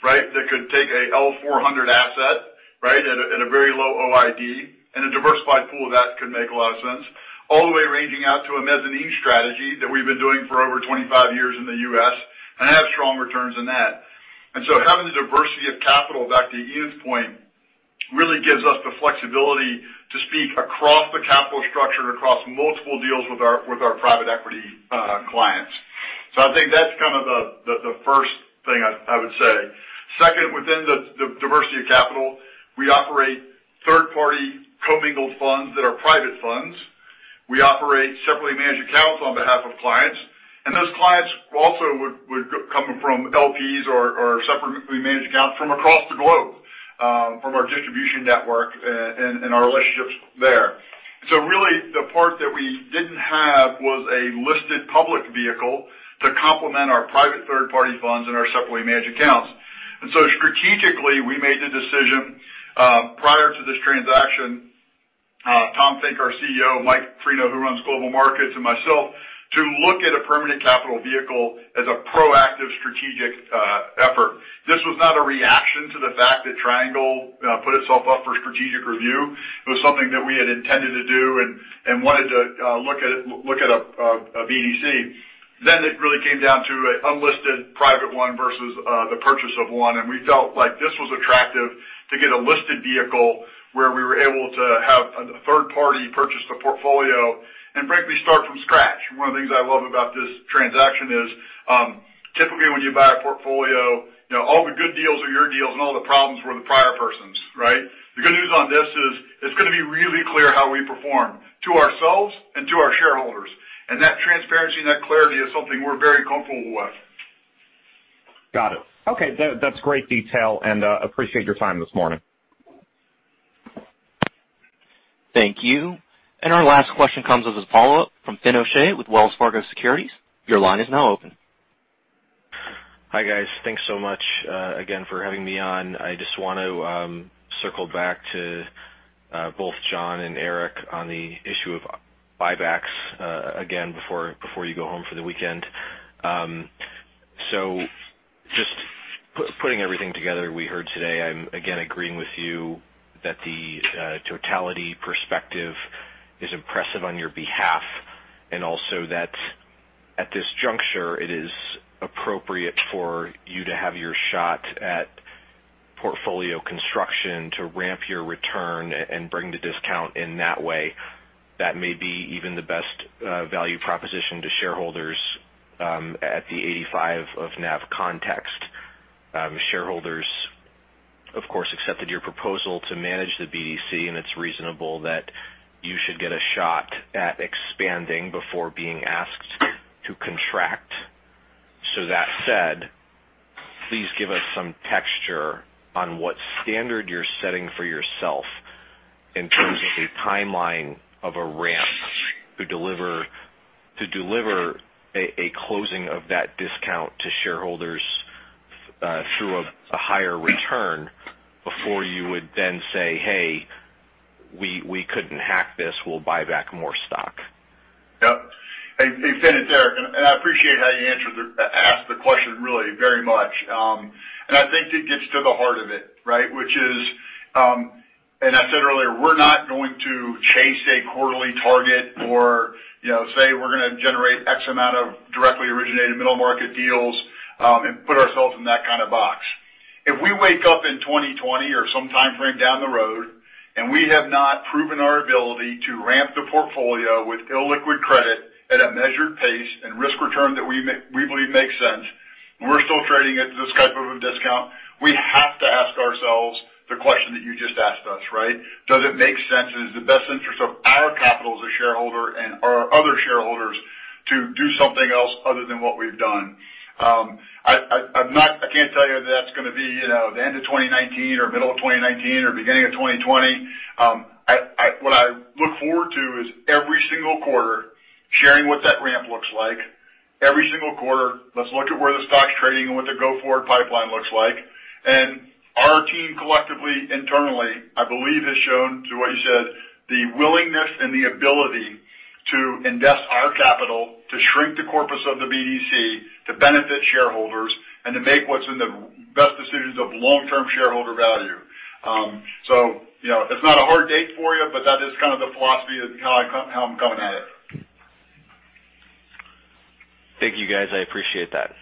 Right? That could take a L 400 asset, at a very low OID. A diversified pool of that could make a lot of sense, all the way ranging out to a mezzanine strategy that we've been doing for over 25 years in the U.S. and have strong returns in that. Having the diversity of capital, back to Ian's point, really gives us the flexibility to speak across the capital structure, across multiple deals with our private equity clients. I think that's kind of the first thing I would say. Second, within the diversity of capital, we operate third-party commingled funds that are private funds. We operate separately managed accounts on behalf of clients. Those clients also would come from LPs or separately managed accounts from across the globe, from our distribution network and our relationships there. Really, the part that we didn't have was a listed public vehicle to complement our private third-party funds and our separately managed accounts. Strategically, we made the decision, prior to this transaction, Tom Finke, our CEO, Mike Freno, who runs global markets, and myself, to look at a permanent capital vehicle as a proactive strategic effort. This was not a reaction to the fact that Triangle put itself up for strategic review. It was something that we had intended to do and wanted to look at a BDC. It really came down to an unlisted private one versus the purchase of one. We felt like this was attractive to get a listed vehicle where we were able to have a third party purchase the portfolio and frankly start from scratch. One of the things I love about this transaction is, typically, when you buy a portfolio, all the good deals are your deals, and all the problems were the prior person's, right? The good news on this is it's going to be really clear how we perform to ourselves and to our shareholders. That transparency and that clarity is something we're very comfortable with. Got it. Okay. That's great detail, appreciate your time this morning. Thank you. Our last question comes as a follow-up from Fin O'Shea with Wells Fargo Securities. Your line is now open. Hi, guys. Thanks so much again for having me on. I just want to circle back to both Jon and Eric on the issue of buybacks again before you go home for the weekend. Just putting everything together we heard today, I'm again agreeing with you that the totality perspective is impressive on your behalf, also that at this juncture, it is appropriate for you to have your shot at portfolio construction to ramp your return and bring the discount in that way. That may be even the best value proposition to shareholders at the 85 of NAV context. Shareholders, of course, accepted your proposal to manage the BDC, it's reasonable that you should get a shot at expanding before being asked to contract. That said, please give us some texture on what standard you're setting for yourself in terms of a timeline of a ramp to deliver a closing of that discount to shareholders through a higher return before you would then say, "Hey, we couldn't hack this. We'll buy back more stock. Yep. Hey, Fin, it's Eric, I appreciate how you asked the question really very much. I think it gets to the heart of it, right? Which is, I said earlier, we're not going to chase a quarterly target or say we're going to generate X amount of directly originated middle-market deals, put ourselves in that kind of box. If we wake up in 2020 or some timeframe down the road, we have not proven our ability to ramp the portfolio with illiquid credit at a measured pace and risk return that we believe makes sense, we're still trading at this type of a discount, we have to ask ourselves the question that you just asked us, right? Does it make sense? Is the best interest of our capital as a shareholder and our other shareholders to do something else other than what we've done? I can't tell you that's going to be the end of 2019 or middle of 2019 or beginning of 2020. What I look forward to is every single quarter, sharing what that ramp looks like. Every single quarter, let's look at where the stock's trading and what the go-forward pipeline looks like. Our team collectively, internally, I believe, has shown to what you said, the willingness and the ability to invest our capital, to shrink the corpus of the BDC, to benefit shareholders, to make what's in the best decisions of long-term shareholder value. It's not a hard date for you, that is kind of the philosophy of how I'm coming at it. Thank you, guys. I appreciate that.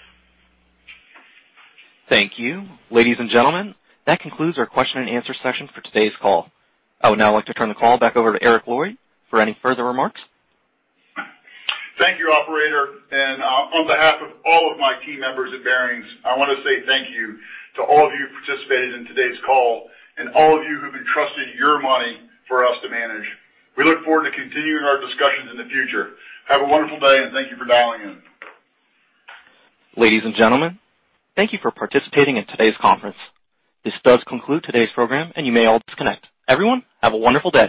Thank you. Ladies and gentlemen, that concludes our question-and-answer session for today's call. I would now like to turn the call back over to Eric Lloyd for any further remarks. Thank you, operator, and on behalf of all of my team members at Barings, I want to say thank you to all of you who participated in today's call and all of you who've entrusted your money for us to manage. We look forward to continuing our discussions in the future. Have a wonderful day, and thank you for dialing in. Ladies and gentlemen, thank you for participating in today's conference. This does conclude today's program, and you may all disconnect. Everyone, have a wonderful day.